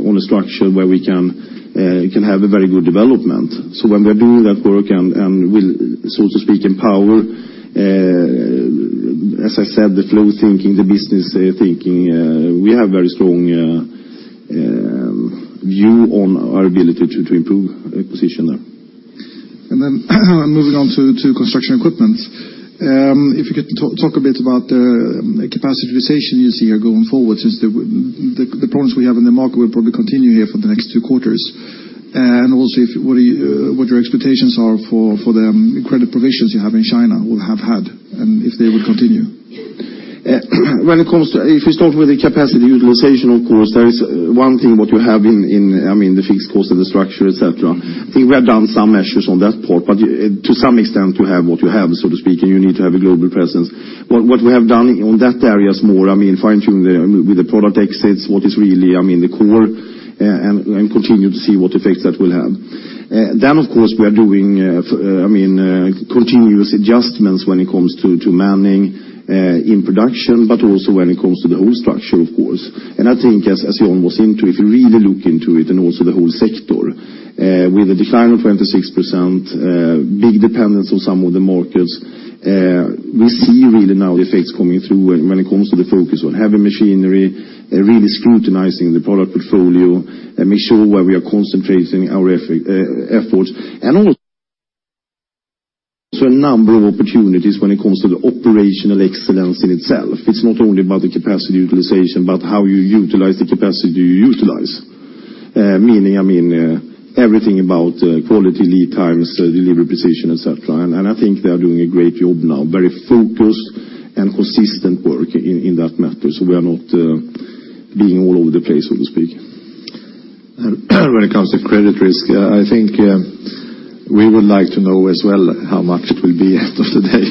on a structure where we can have a very good development. When we are doing that work and we so to speak, empower, as I said, the flow thinking, the business thinking, we have very strong view on our ability to improve position there.
Then moving on to construction equipment. If you could talk a bit about the capacity utilization you see here going forward, since the problems we have in the market will probably continue here for the next two quarters, and also what your expectations are for the credit provisions you have in China or have had, and if they will continue.
If we start with the capacity utilization, of course, there is one thing what you have in the fixed cost of the structure, et cetera. I think we have done some measures on that part, but to some extent you have what you have, so to speak, and you need to have a global presence. What we have done on that area is more fine-tune with the product exits, what is really the core, and continue to see what effects that will have. Of course, we are doing continuous adjustments when it comes to manning in production, but also when it comes to the whole structure, of course. I think as Jan was into, if you really look into it and also the whole sector, with a decline of 26%, big dependence on some of the markets, we see really now the effects coming through when it comes to the focus on heavy machinery, really scrutinizing the product portfolio, making sure where we are concentrating our efforts. Also a number of opportunities when it comes to the operational excellence in itself. It's not only about the capacity utilization, but how you utilize the capacity you utilize. Meaning, everything about quality, lead times, delivery, precision, et cetera. I think we are doing a great job now, very focused and consistent work in that matter. We are not being all over the place, so to speak.
When it comes to credit risk, I think we would like to know as well how much it will be at the end of the day.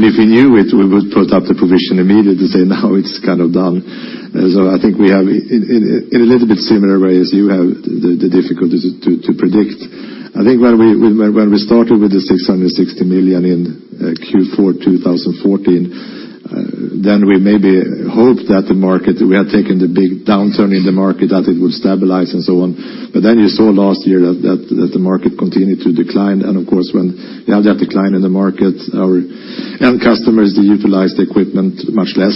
If we knew it, we would put up the provision immediately, say, now it's kind of done. I think we have in a little bit similar way as you have the difficulties to predict. I think when we started with the 660 million in Q4 2014, we maybe hoped that the market, we had taken the big downturn in the market, that it would stabilize and so on. You saw last year that the market continued to decline, and of course, when you have that decline in the market, our end customers, they utilize the equipment much less.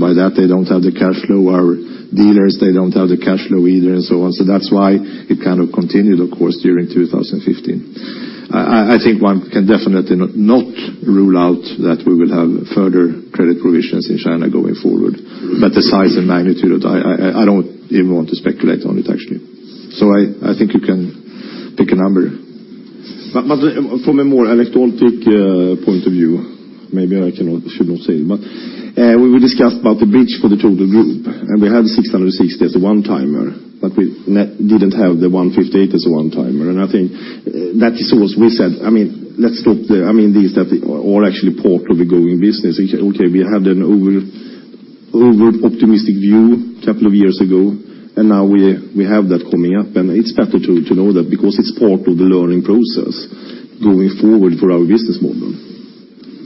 By that, they don't have the cash flow. Our dealers, they don't have the cash flow either and so on. That's why it kind of continued, of course, during 2015. I think one can definitely not rule out that we will have further credit provisions in China going forward. The size and magnitude of that, I don't even want to speculate on it, actually. I think you can pick a number.
From a more electronic point of view, maybe I should not say it, but we discussed about the bridge for the Volvo Group, and we had 660 as a one-timer, but we didn't have the 158 as a one-timer. I think that is what we said. These are actually part of the growing business. We had an over-optimistic view a couple of years ago, and now we have that coming up, and it's better to know that because it's part of the learning process going forward for our business model.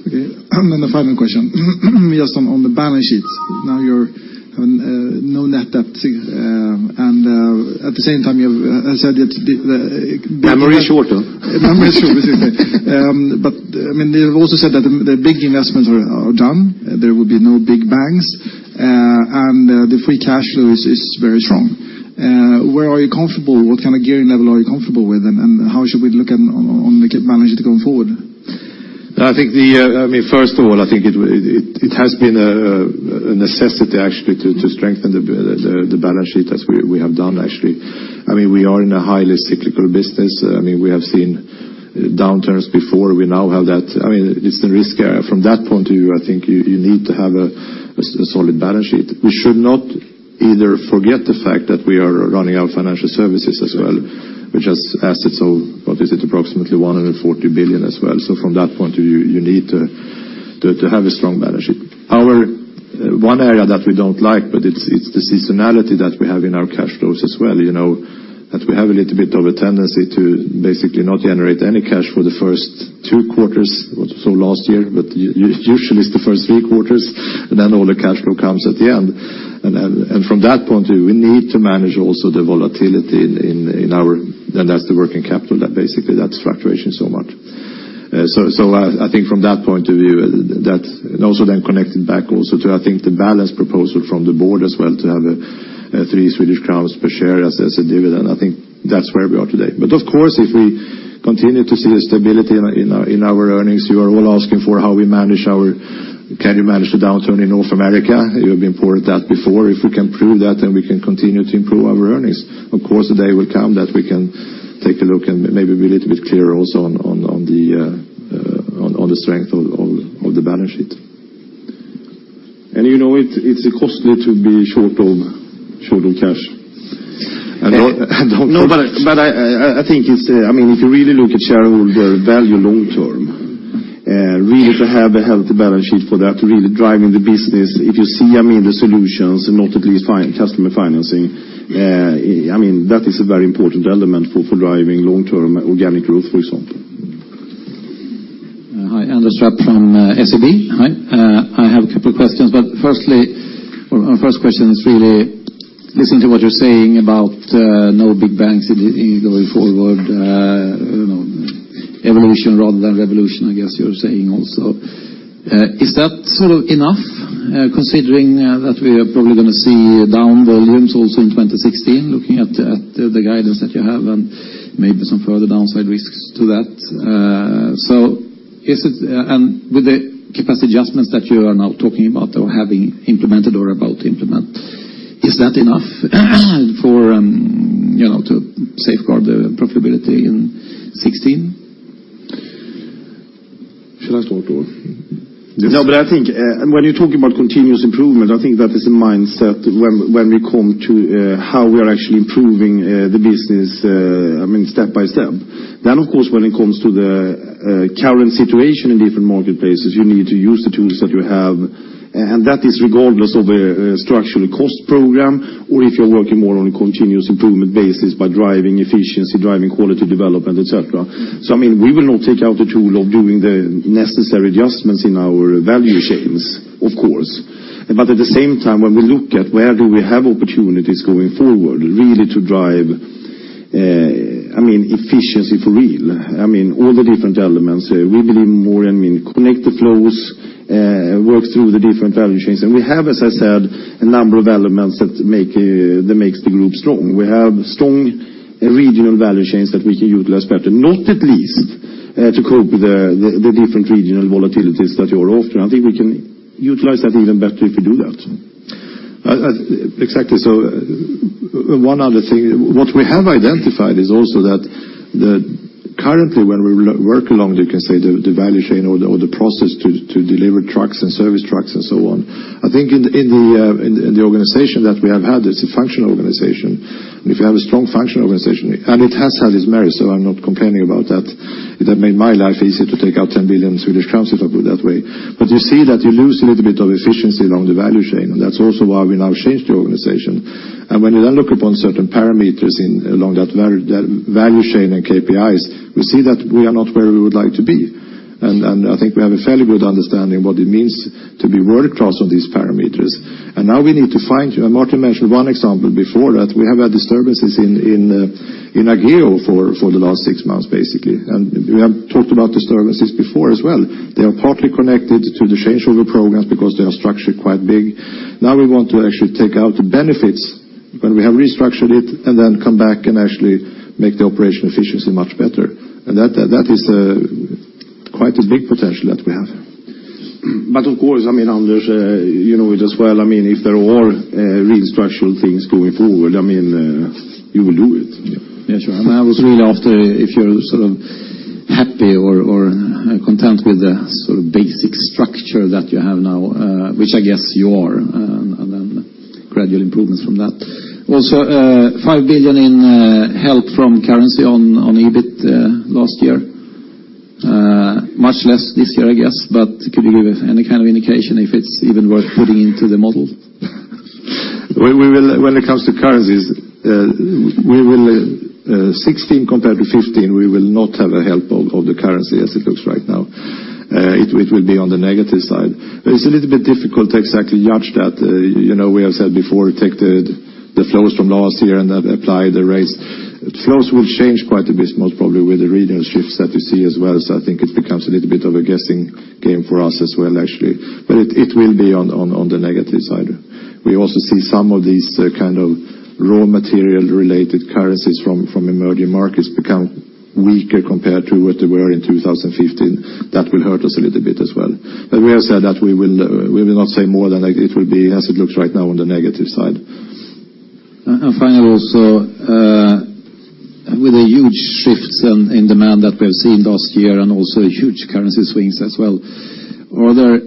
The final question. Just on the balance sheet. Now you have no net debt, and at the same time, you have said it-
Memory is short, no?
Memory is short, basically. You've also said that the big investments are done. There will be no big banks, and the free cash flow is very strong. Where are you comfortable? What kind of gearing level are you comfortable with, and how should we look on the balance sheet going forward?
First of all, I think it has been a necessity, actually, to strengthen the balance sheet as we have done, actually. We are in a highly cyclical business. We have seen downturns before. We now have that. It's the risk. From that point of view, I think you need to have a solid balance sheet. We should not either forget the fact that we are running our financial services as well, which has assets of, what is it, approximately 140 billion as well. From that point of view, you need to have a strong balance sheet. One area that we don't like, but it's the seasonality that we have in our cash flows as well. That we have a little bit of a tendency to basically not generate any cash for the first two quarters, so last year, but usually it's the first three quarters, and then all the cash flow comes at the end. From that point of view, we need to manage also the volatility in our working capital that basically that fluctuation so much. I think from that point of view, and also then connected back also to, I think, the balance proposal from the board as well to have 3 Swedish crowns per share as a dividend. I think that's where we are today. Of course, if we continue to see a stability in our earnings, you are all asking for how we manage, can you manage the downturn in North America? You've reported that before. If we can prove that, we can continue to improve our earnings. Of course, the day will come that we can take a look and maybe be a little bit clearer also on the strength of the balance sheet.
You know it's costly to be short on cash.
I think if you really look at shareholder value long term, really to have a healthy balance sheet for that, really driving the business. If you see the solutions, not at least customer financing, that is a very important element for driving long-term organic growth, for example.
Hi. Anders Trapp from SEB. Hi. I have a couple of questions. Our first question is really listening to what you're saying about no big banks going forward, evolution rather than revolution, I guess you're saying also. Is that enough, considering that we are probably going to see down volumes also in 2016, looking at the guidance that you have and maybe some further downside risks to that? With the capacity adjustments that you are now talking about or have implemented or are about to implement, is that enough to safeguard the profitability in 2016?
Should I start off?
I think when you're talking about continuous improvement, I think that is a mindset when we come to how we are actually improving the business step by step. Of course, when it comes to the current situation in different marketplaces, you need to use the tools that you have, and that is regardless of a structural cost program or if you're working more on a continuous improvement basis by driving efficiency, driving quality development, et cetera. We will not take out the tool of doing the necessary adjustments in our value chains, of course. At the same time, when we look at where do we have opportunities going forward really to drive efficiency for real, all the different elements, we believe more in connect the flows, work through the different value chains. We have, as I said, a number of elements that makes the Group strong. We have strong regional value chains that we can utilize better, not at least to cope with the different regional volatilities that you are after. I think we can utilize that even better if we do that.
Exactly. One other thing, what we have identified is also that currently when we work along, you can say the value chain or the process to deliver trucks and service trucks and so on. I think in the organization that we have had, it's a functional organization. If you have a strong functional organization, and it has had its merits, so I'm not complaining about that. That made my life easier to take out 10 billion Swedish crowns, if I put it that way. You see that you lose a little bit of efficiency along the value chain, and that's also why we now changed the organization. When you then look upon certain parameters along that value chain and KPIs, we see that we are not where we would like to be. I think we have a fairly good understanding what it means to be world-class on these parameters. Now we need to find, and Martin mentioned one example before that we have had disturbances in Ageo for the last six months, basically. We have talked about disturbances before as well. They are partly connected to the change order programs because they are structured quite big. Now we want to actually take out the benefits when we have restructured it and then come back and actually make the operation efficiency much better. That is quite a big potential that we have.
Of course, Anders, you know it as well. If there are real structural things going forward, you will do it.
Yeah, sure. I was really after if you're happy or content with the basic structure that you have now, which I guess you are, then gradual improvements from that. Also, 5 billion in help from currency on EBIT last year. Much less this year, I guess, could you give any kind of indication if it's even worth putting into the model?
When it comes to currencies, 2016 compared to 2015, we will not have a help of the currency as it looks right now. It will be on the negative side. It's a little bit difficult to exactly judge that. We have said before, take the flows from last year and apply the rates. Flows will change quite a bit, most probably with the regional shifts that we see as well. I think it becomes a little bit of a guessing game for us as well, actually. It will be on the negative side. We also see some of these raw material related currencies from emerging markets become weaker compared to what they were in 2015. That will hurt us a little bit as well. We have said that we will not say more than it will be as it looks right now on the negative side.
Final also, with the huge shifts in demand that we have seen last year and also huge currency swings as well, are there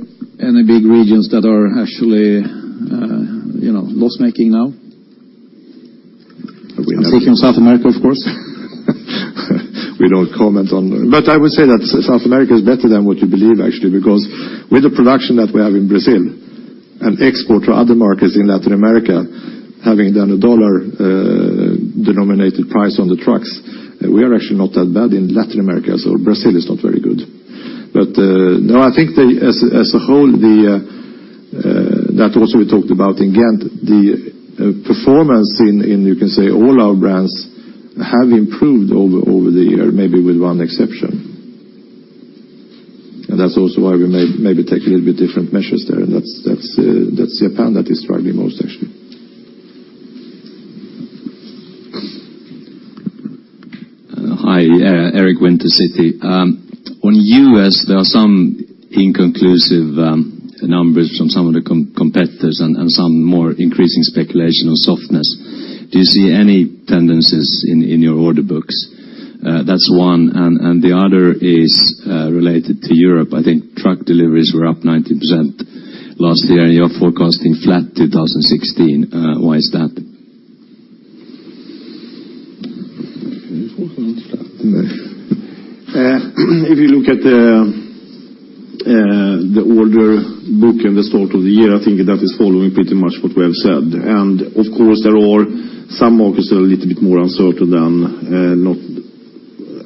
any big regions that are actually loss-making now?
We never-
Speaking of South America, of course.
We don't comment on. I would say that South America is better than what you believe, actually, because with the production that we have in Brazil and export to other markets in Latin America, having done a dollar denominated price on the trucks, we are actually not that bad in Latin America. Brazil is not very good. No, I think as a whole, that also we talked about in Ghent, the performance in all our brands have improved over the year, maybe with one exception. That's also why we may take a little bit different measures there, and that's Japan that is struggling most, actually.
Hi. Eric Winter, Citi. On U.S., there are some inconclusive numbers from some of the competitors and some more increasing speculation on softness. Do you see any tendencies in your order books? That's one. The other is related to Europe. I think truck deliveries were up 19% last year, and you're forecasting flat 2016. Why is that?
Can you answer that? If you look at the order book in the start of the year, I think that is following pretty much what we have said. Of course, there are some markets that are a little bit more uncertain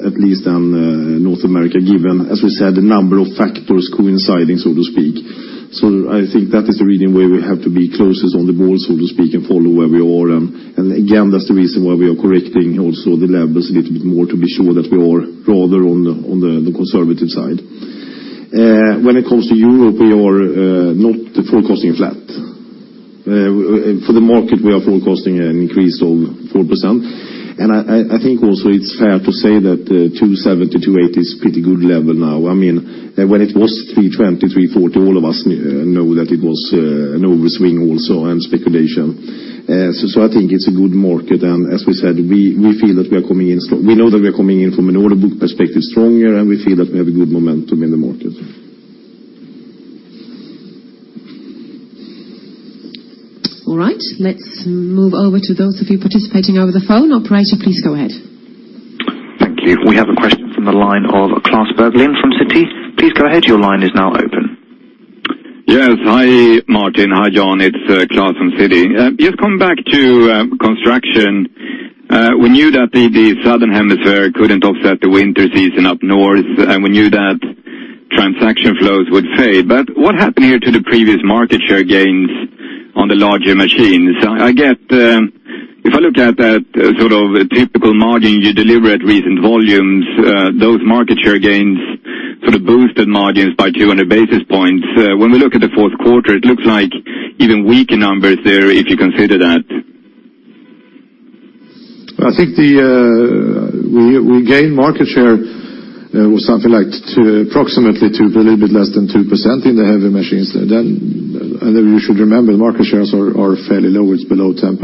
at least than North America, given, as we said, a number of factors coinciding, so to speak. I think that is the reason why we have to be closest on the ball, so to speak, and follow where we are. Again, that's the reason why we are correcting also the levels a little bit more to be sure that we are rather on the conservative side. When it comes to Europe, we are not forecasting flat. For the market, we are forecasting an increase of 4%. I think also it's fair to say that 270, 280 is pretty good level now. When it was 320, 340, all of us know that it was an overswing also and speculation. I think it's a good market. As we said, we know that we are coming in from an order book perspective stronger, and we feel that we have a good momentum in the market.
All right. Let's move over to those of you participating over the phone. Operator, please go ahead. Thank you. We have a question from the line of Klas Bergelind from Citi. Please go ahead. Your line is now open.
Yes. Hi, Martin. Hi, Jan. It's Klas from Citi. Just coming back to construction. We knew that the Southern Hemisphere couldn't offset the winter season up north, and we knew that transaction flows would fade. What happened here to the previous market share gains on the larger machines? If I looked at that typical margin you deliver at recent volumes, those market share gains sort of boosted margins by 200 basis points. When we look at the fourth quarter, it looks like even weaker numbers there if you consider that.
I think we gained market share with something like approximately a little bit less than 2% in the heavy machines. You should remember, market shares are fairly low. It's below 10%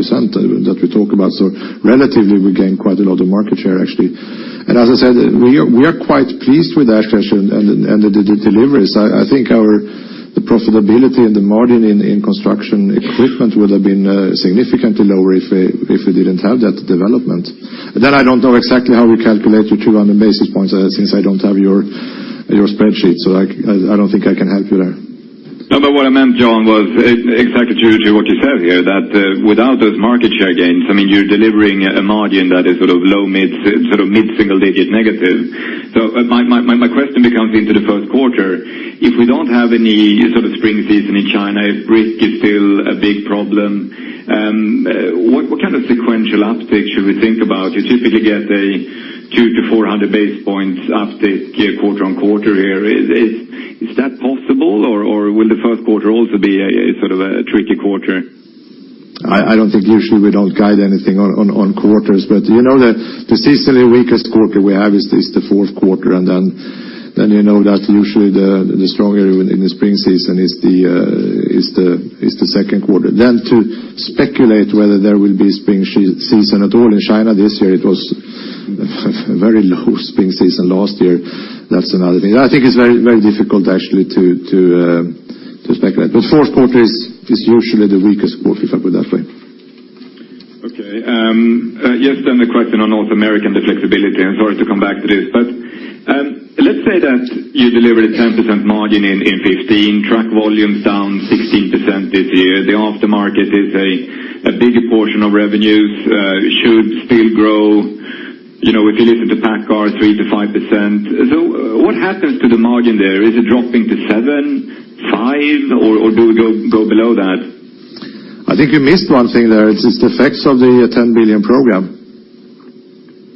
that we talk about. Relatively, we gained quite a lot of market share, actually. As I said, we are quite pleased with that, actually, and the deliveries. I think the profitability and the margin in construction equipment would have been significantly lower if we didn't have that development. I don't know exactly how we calculate the 200 basis points since I don't have your spreadsheet. I don't think I can help you there.
No, what I meant, Jan, was exactly to what you said here, that without those market share gains, you're delivering a margin that is low mid-single digit negative. My question becomes into the first quarter, if we don't have any spring season in China, if risk is still a big problem, what kind of sequential uptick should we think about? You typically get a 200-400 base points uptick quarter on quarter here. Is that possible, or will the first quarter also be a tricky quarter?
I don't think usually we don't guide anything on quarters, you know that the seasonally weakest quarter we have is the fourth quarter, and then you know that usually the stronger in the spring season is the second quarter. To speculate whether there will be spring season at all in China this year, it was very low spring season last year. That's another thing. I think it's very difficult, actually, to speculate. Fourth quarter is usually the weakest quarter, if I put it that way.
Okay. Just a question on North American, the flexibility. Sorry to come back to this. Let's say that you delivered a 10% margin in 2015, truck volumes down 16% this year. The aftermarket is a bigger portion of revenues, should still grow. If you listen to PACCAR, 3%-5%. What happens to the margin there? Is it dropping to 7%, 5%, or do we go below that?
I think you missed one thing there. It's the effects of the SEK 10 billion program.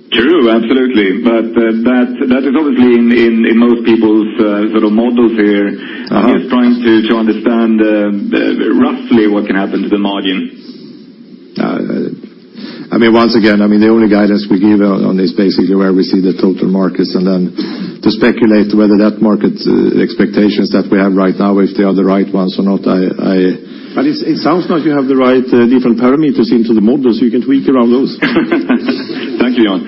True, absolutely. That is obviously in most people's models here. I'm just trying to understand roughly what can happen to the margin.
Once again, the only guidance we give on this basically where we see the total markets, and then to speculate whether that market expectations that we have right now, if they are the right ones or not. It sounds like you have the right different parameters into the model, you can tweak around those.
Thank you, Jan.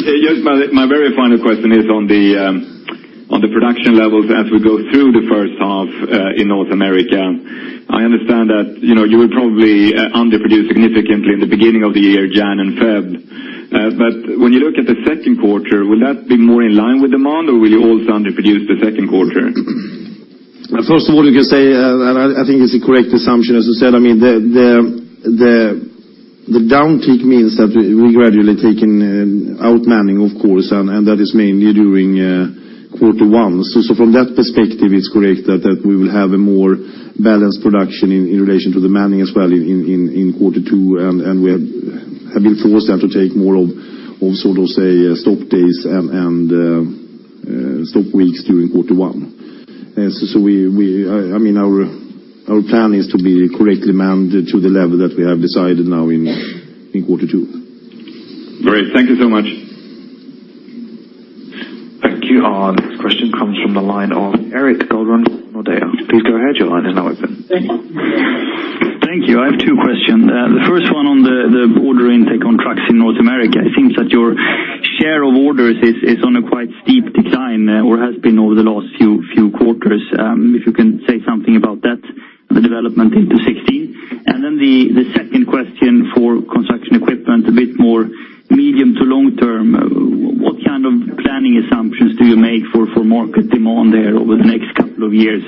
Just my very final question is on the production levels as we go through the first half in North America. I understand that you will probably underproduce significantly in the beginning of the year, January and February. When you look at the second quarter, will that be more in line with demand, or will you also underproduce the second quarter?
First of all, you can say, I think it's a correct assumption, as you said. The down peak means that we gradually taking out manning, of course, and that is mainly during quarter one. From that perspective, it's correct that we will have a more balanced production in relation to the manning as well in quarter two, and we have been forced then to take more of, say, stop days and stop weeks during quarter one. Our plan is to be correctly manned to the level that we have decided now in quarter two.
Great. Thank you so much.
Thank you. Our next question comes from the line of Erik Golrang, Nordea. Please go ahead. Your line is now open.
Thank you. I have two questions. The first one on the order intake on trucks in North America. It seems that your share of orders is on a quite steep decline or has been over the last few quarters. If you can say something about that development into 2016. The second question for Construction Equipment, a bit more medium to long term, what kind of planning assumptions do you make for market demand there over the next couple of years?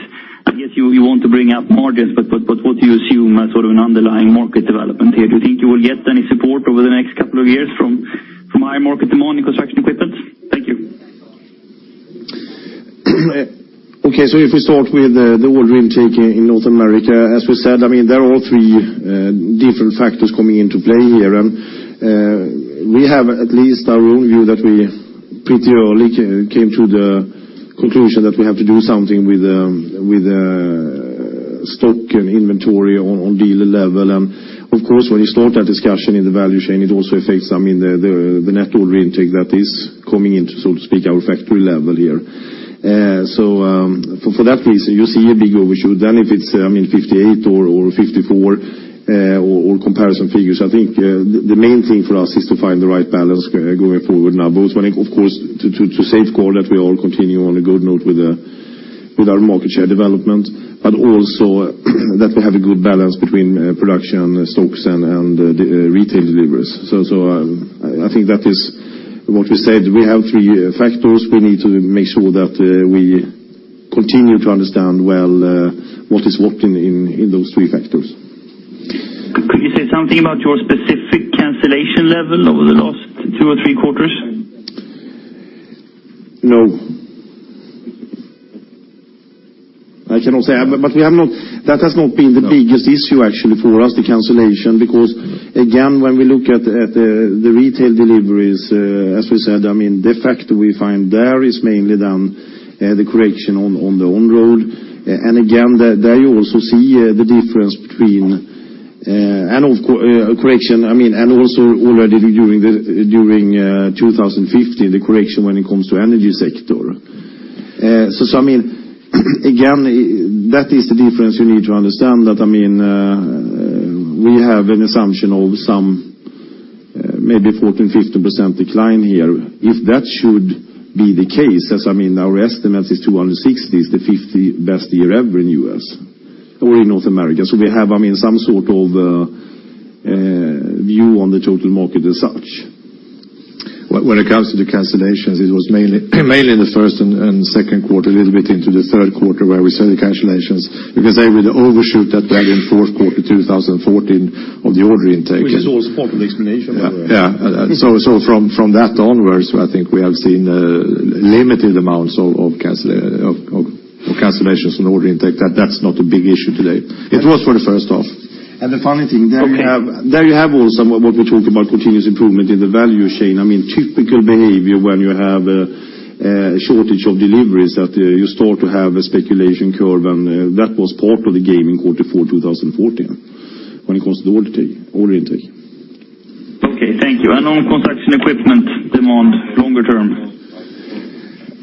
I guess you want to bring up margins, but what do you assume as sort of an underlying market development here? Do you think you will get any support over the next couple of years from high market demand in Construction Equipment? Thank you.
If we start with the order intake in North America, as we said, there are three different factors coming into play here. We have at least our own view that we pretty early came to the conclusion that we have to do something with stock and inventory on dealer level. Of course, when you start that discussion in the value chain, it also affects the net order intake that is coming into, so to speak, our factory level here. For that reason, you see a big overshoot. If it's 58 or 54 all comparison figures. I think the main thing for us is to find the right balance going forward now, both when, of course, to safeguard that we all continue on a good note with our market share development, but also that we have a good balance between production, stocks, and retail deliveries. I think that is what we said. We have three factors. We need to make sure that we continue to understand well what is working in those three factors.
Could you say something about your specific cancellation level over the last two or three quarters?
No. I cannot say, but that has not been the biggest issue actually for us, the cancellation, because again, when we look at the retail deliveries, as we said, the factor we find there is mainly the correction on the on-road. Again, there you also see the difference and also already during 2015, the correction when it comes to energy sector. Again, that is the difference you need to understand that we have an assumption of some maybe 14%, 15% decline here. If that should be the case, as you know, our estimate is 260 is the 50 best year ever in the U.S. or in North America. We have some sort of view on the total market as such. When it comes to the cancellations, it was mainly in the first and second quarter, a little bit into the third quarter where we saw the cancellations, because they will overshoot that then in fourth quarter 2014 of the order intake.
Which is also part of the explanation.
Yeah. From that onwards, I think we have seen limited amounts of cancellations on order intake. That's not a big issue today. It was for the first half. The funny thing, there you have also what we talk about continuous improvement in the value chain. Typical behavior when you have a shortage of deliveries, that you start to have a speculation curve, and that was part of the game in quarter four 2014 when it comes to the order intake.
Okay, thank you. On Construction Equipment demand longer term?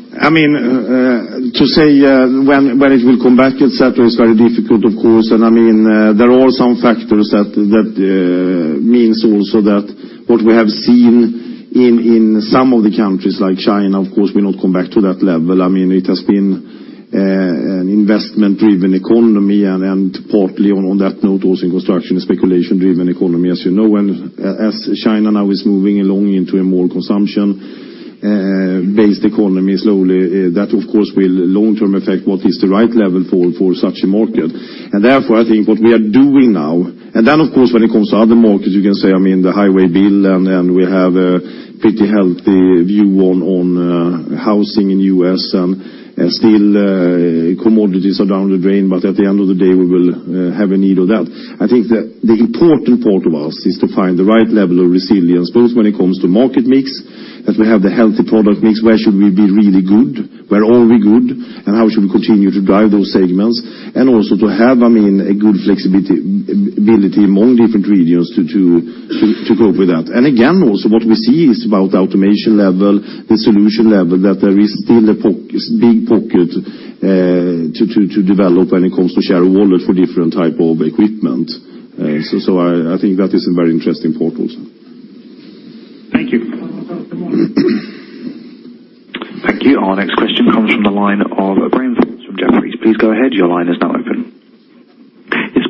To say when it will come back et cetera, is very difficult, of course. There are some factors that means also that what we have seen in some of the countries like China, of course, may not come back to that level. It has been an investment-driven economy, and partly on that note also in construction, a speculation-driven economy, as you know. As China now is moving along into a more consumption-based economy slowly, that of course will long term affect what is the right level for such a market. Therefore, I think what we are doing now. Then of course, when it comes to other markets, you can say, the highway bill, and we have a pretty healthy view on housing in U.S., and still commodities are down the drain, but at the end of the day, we will have a need of that. I think that the important part of us is to find the right level of resilience, both when it comes to market mix, that we have the healthy product mix, where should we be really good? Where are we good? How should we continue to drive those segments? Also to have a good flexibility among different regions to cope with that. Again, also what we see is about automation level, the solution level, that there is still a big pocket to develop when it comes to share of wallet for different type of equipment. I think that is a very interesting part also.
Thank you.
Thank you. Our next question comes from the line of Graham Phillips from Jefferies. Please go ahead. Your line is now open.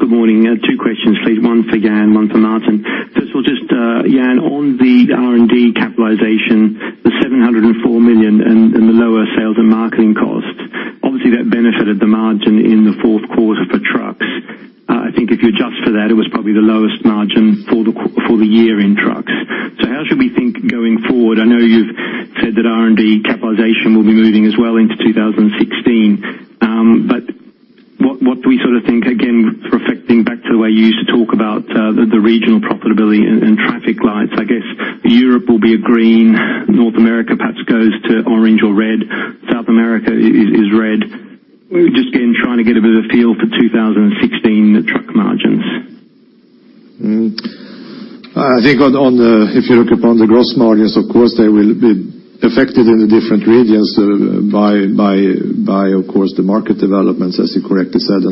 Yes, good morning. Two questions please. One for Jan, one for Martin. First of all, just Jan, on the R&D capitalization, the 704 million in the lower sales and marketing costs, obviously that benefited the margin in the fourth quarter for trucks. I think if you adjust for that, it was probably the lowest margin for the year in trucks. How should we think going forward? I know you've said that R&D capitalization will be moving as well into 2016. What do we think, again, reflecting back to the way you used to talk about the regional profitability and traffic lights? I guess Europe will be a green, North America perhaps goes to orange or red, South America is red. Just, again, trying to get a bit of a feel for 2016 truck margins.
I think if you look upon the gross margins, of course, they will be affected in the different regions by, of course, the market developments, as you correctly said.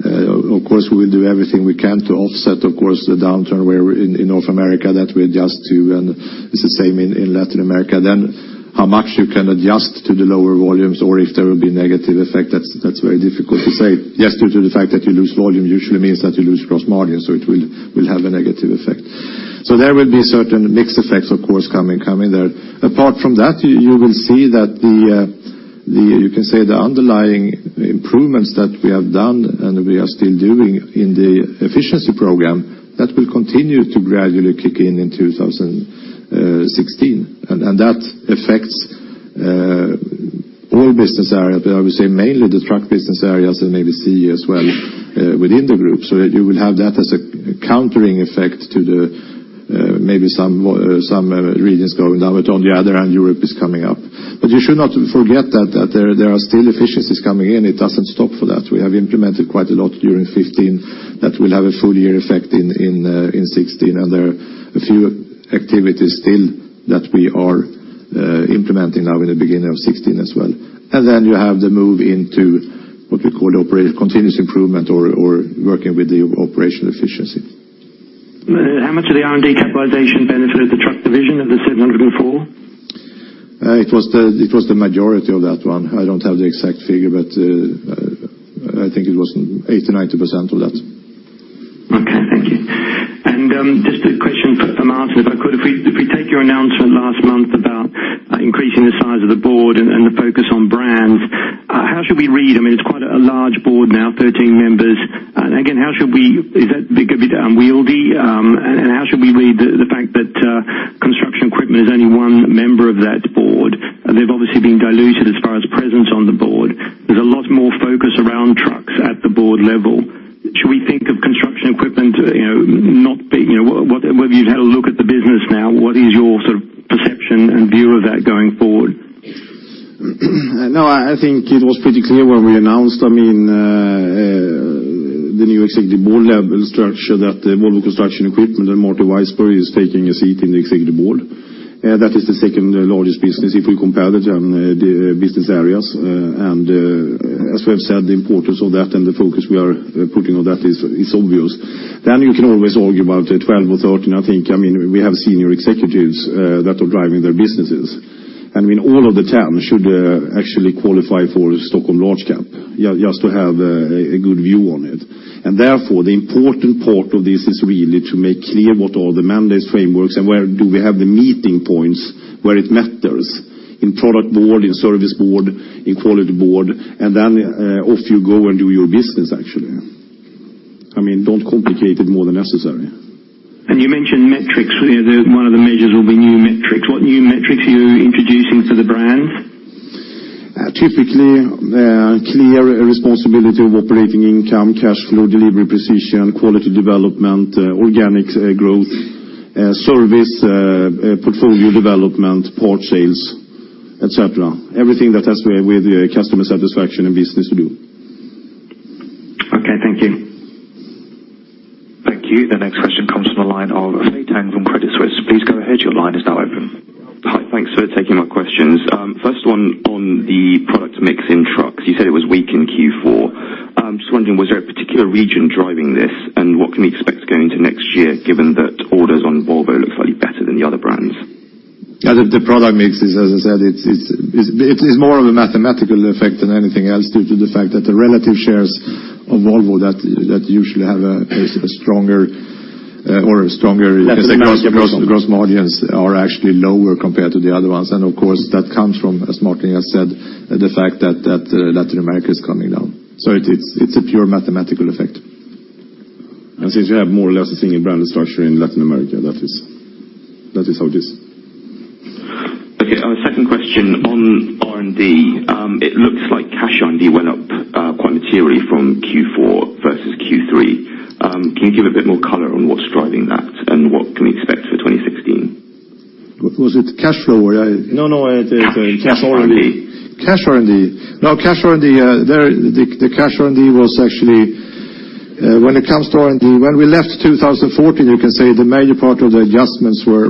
Of course, we will do everything we can to offset, of course, the downturn in North America that we adjust to, and it's the same in Latin America. How much you can adjust to the lower volumes or if there will be negative effect, that's very difficult to say. Yes, due to the fact that you lose volume usually means that you lose gross margin, so it will have a negative effect. There will be certain mix effects, of course, coming there. Apart from that, you will see that the, you can say the underlying improvements that we have done and we are still doing in the efficiency program, that will continue to gradually kick in in 2016.
That affects all business areas, but I would say mainly the truck business areas and maybe CE as well within the group. You will have that as a countering effect to the maybe some regions going down, but on the other hand, Europe is coming up. You should not forget that there are still efficiencies coming in. It doesn't stop for that. We have implemented quite a lot during 2015 that will have a full year effect in 2016, and there are a few activities still that we are implementing now in the beginning of 2016 as well. Then you have the move into what we call continuous improvement or working with the operational efficiency.
How much of the R&D capitalization benefited the truck division of the 704?
It was the majority of that one. I don't have the exact figure, but I think it was 80%, 90% of that.
Okay, thank you. Just a question for Martin, if I could. If we take your announcement last month about increasing the size of the board and the focus on brands, how should we read them? It's quite a large board now, 13 members. Again, is that going to be unwieldy? How should we read the fact that Construction Equipment is only one member of that board? They've obviously been diluted as far as presence on the board. There's a lot more focus around trucks at the board level. Should we think of Construction Equipment, whether you've had a look at the business now, what is your perception and view of that going forward?
No, I think it was pretty clear when we announced the new executive board-level structure, that Volvo Construction Equipment and Martin Weissburg is taking a seat in the Executive Board. That is the second largest business if we compare the business areas. As we have said, the importance of that and the focus we are putting on that is obvious. You can always argue about 12 or 13, I think. We have senior executives that are driving their businesses. All of the 10 should actually qualify for Stockholm large cap, just to have a good view on it. Therefore, the important part of this is really to make clear what are the mandates, frameworks, and where do we have the meeting points where it matters in Product Board, in Service Board, in Quality Board, and then off you go and do your business, actually. Don't complicate it more than necessary.
You mentioned metrics. One of the measures will be new metrics. What new metrics are you introducing for the brands?
Typically, clear responsibility of operating income, cash flow, delivery, precision, quality development, organic growth, service, portfolio development, part sales, et cetera. Everything that has with customer satisfaction and business to do.
Okay, thank you.
Thank you. The next question comes from the line of Fei Teng from Credit Suisse. Please go ahead. Your line is now open.
Hi, thanks for taking my questions. First one on the product mix in trucks. You said it was weak in Q4. I'm just wondering, was there a particular region driving this, and what can we expect going into next year, given that orders on Volvo look slightly better than the other brands?
The product mix is, as I said, it is more of a mathematical effect than anything else due to the fact that the relative shares of Volvo that usually have a stronger- Latin America gross margins are actually lower compared to the other ones. Of course, that comes from, as Martin has said, the fact that Latin America is coming down. It's a pure mathematical effect.
Since you have more or less the same brand structure in Latin America, that is how it is.
Okay. Second question on R&D. It looks like cash R&D went up quite materially from Q4 versus Q3. Can you give a bit more color on what's driving that and what can we expect for 2016?
Was it cash flow?
No, cash R&D.
Cash R&D. The cash R&D was actually, when it comes to R&D, when we left 2014, you can say the major part of the adjustments were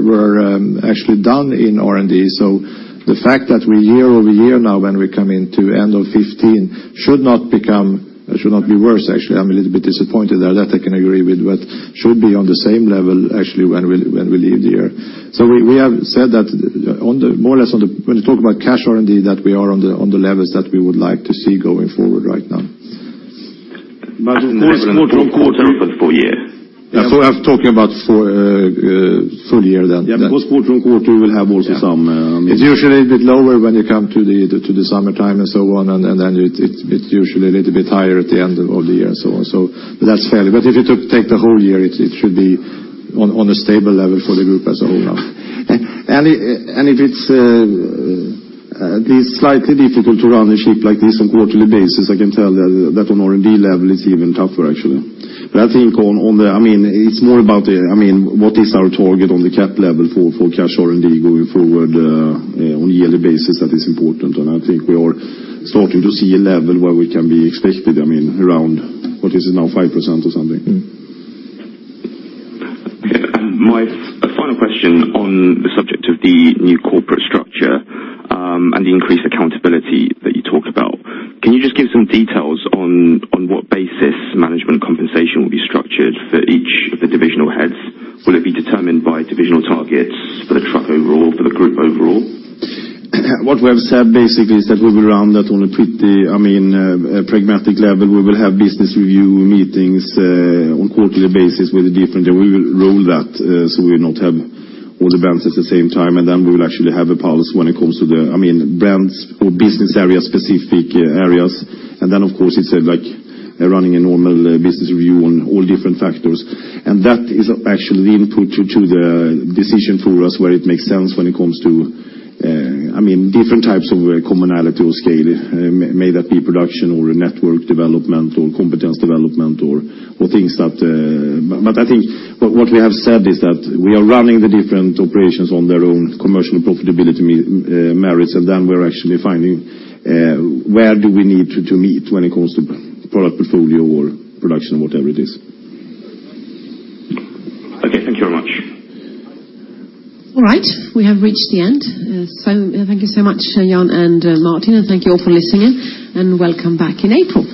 actually done in R&D. The fact that we year-over-year now, when we come into end of 2015 should not be worse, actually. I'm a little bit disappointed there. That I can agree with. Should be on the same level, actually, when we leave the year. We have said that more or less when you talk about cash R&D, that we are on the levels that we would like to see going forward right now.
Of course.
Quarter over full year.
Yeah. I'm talking about full year then.
Yeah, because quarter-on-quarter will have also.
It's usually a bit lower when you come to the summertime and so on, and then it's usually a little bit higher at the end of the year and so on. If you take the whole year, it should be on a stable level for the group as a whole now.
It is slightly difficult to run a ship like this on quarterly basis. I can tell that on R&D level, it's even tougher, actually. I think it's more about what is our target on the CapEx level for cash R&D going forward on a yearly basis that is important. I think we are starting to see a level where we can be expected, around, what is it now, 5% or something.
My final question on the subject of the new corporate structure, and the increased accountability that you talked about. Can you just give some details on what basis management compensation will be structured for each of the divisional heads? Will it be determined by divisional targets for the truck overall, for the group overall?
What we have said basically is that we will run that on a pretty pragmatic level. We will have business review meetings on quarterly basis with a different, and we will roll that, so we will not have all the brands at the same time, then we will actually have a pulse when it comes to the brands or business area, specific areas. Then, of course, it's like running a normal business review on all different factors. That is actually input to the decision for us where it makes sense when it comes to different types of commonality or scale, may that be production or network development or competence development. I think what we have said is that we are running the different operations on their own commercial profitability merits, then we're actually finding where do we need to meet when it comes to product portfolio or production or whatever it is.
Okay, thank you very much.
All right. We have reached the end. Thank you so much, Jan and Martin, and thank you all for listening in, and welcome back in April.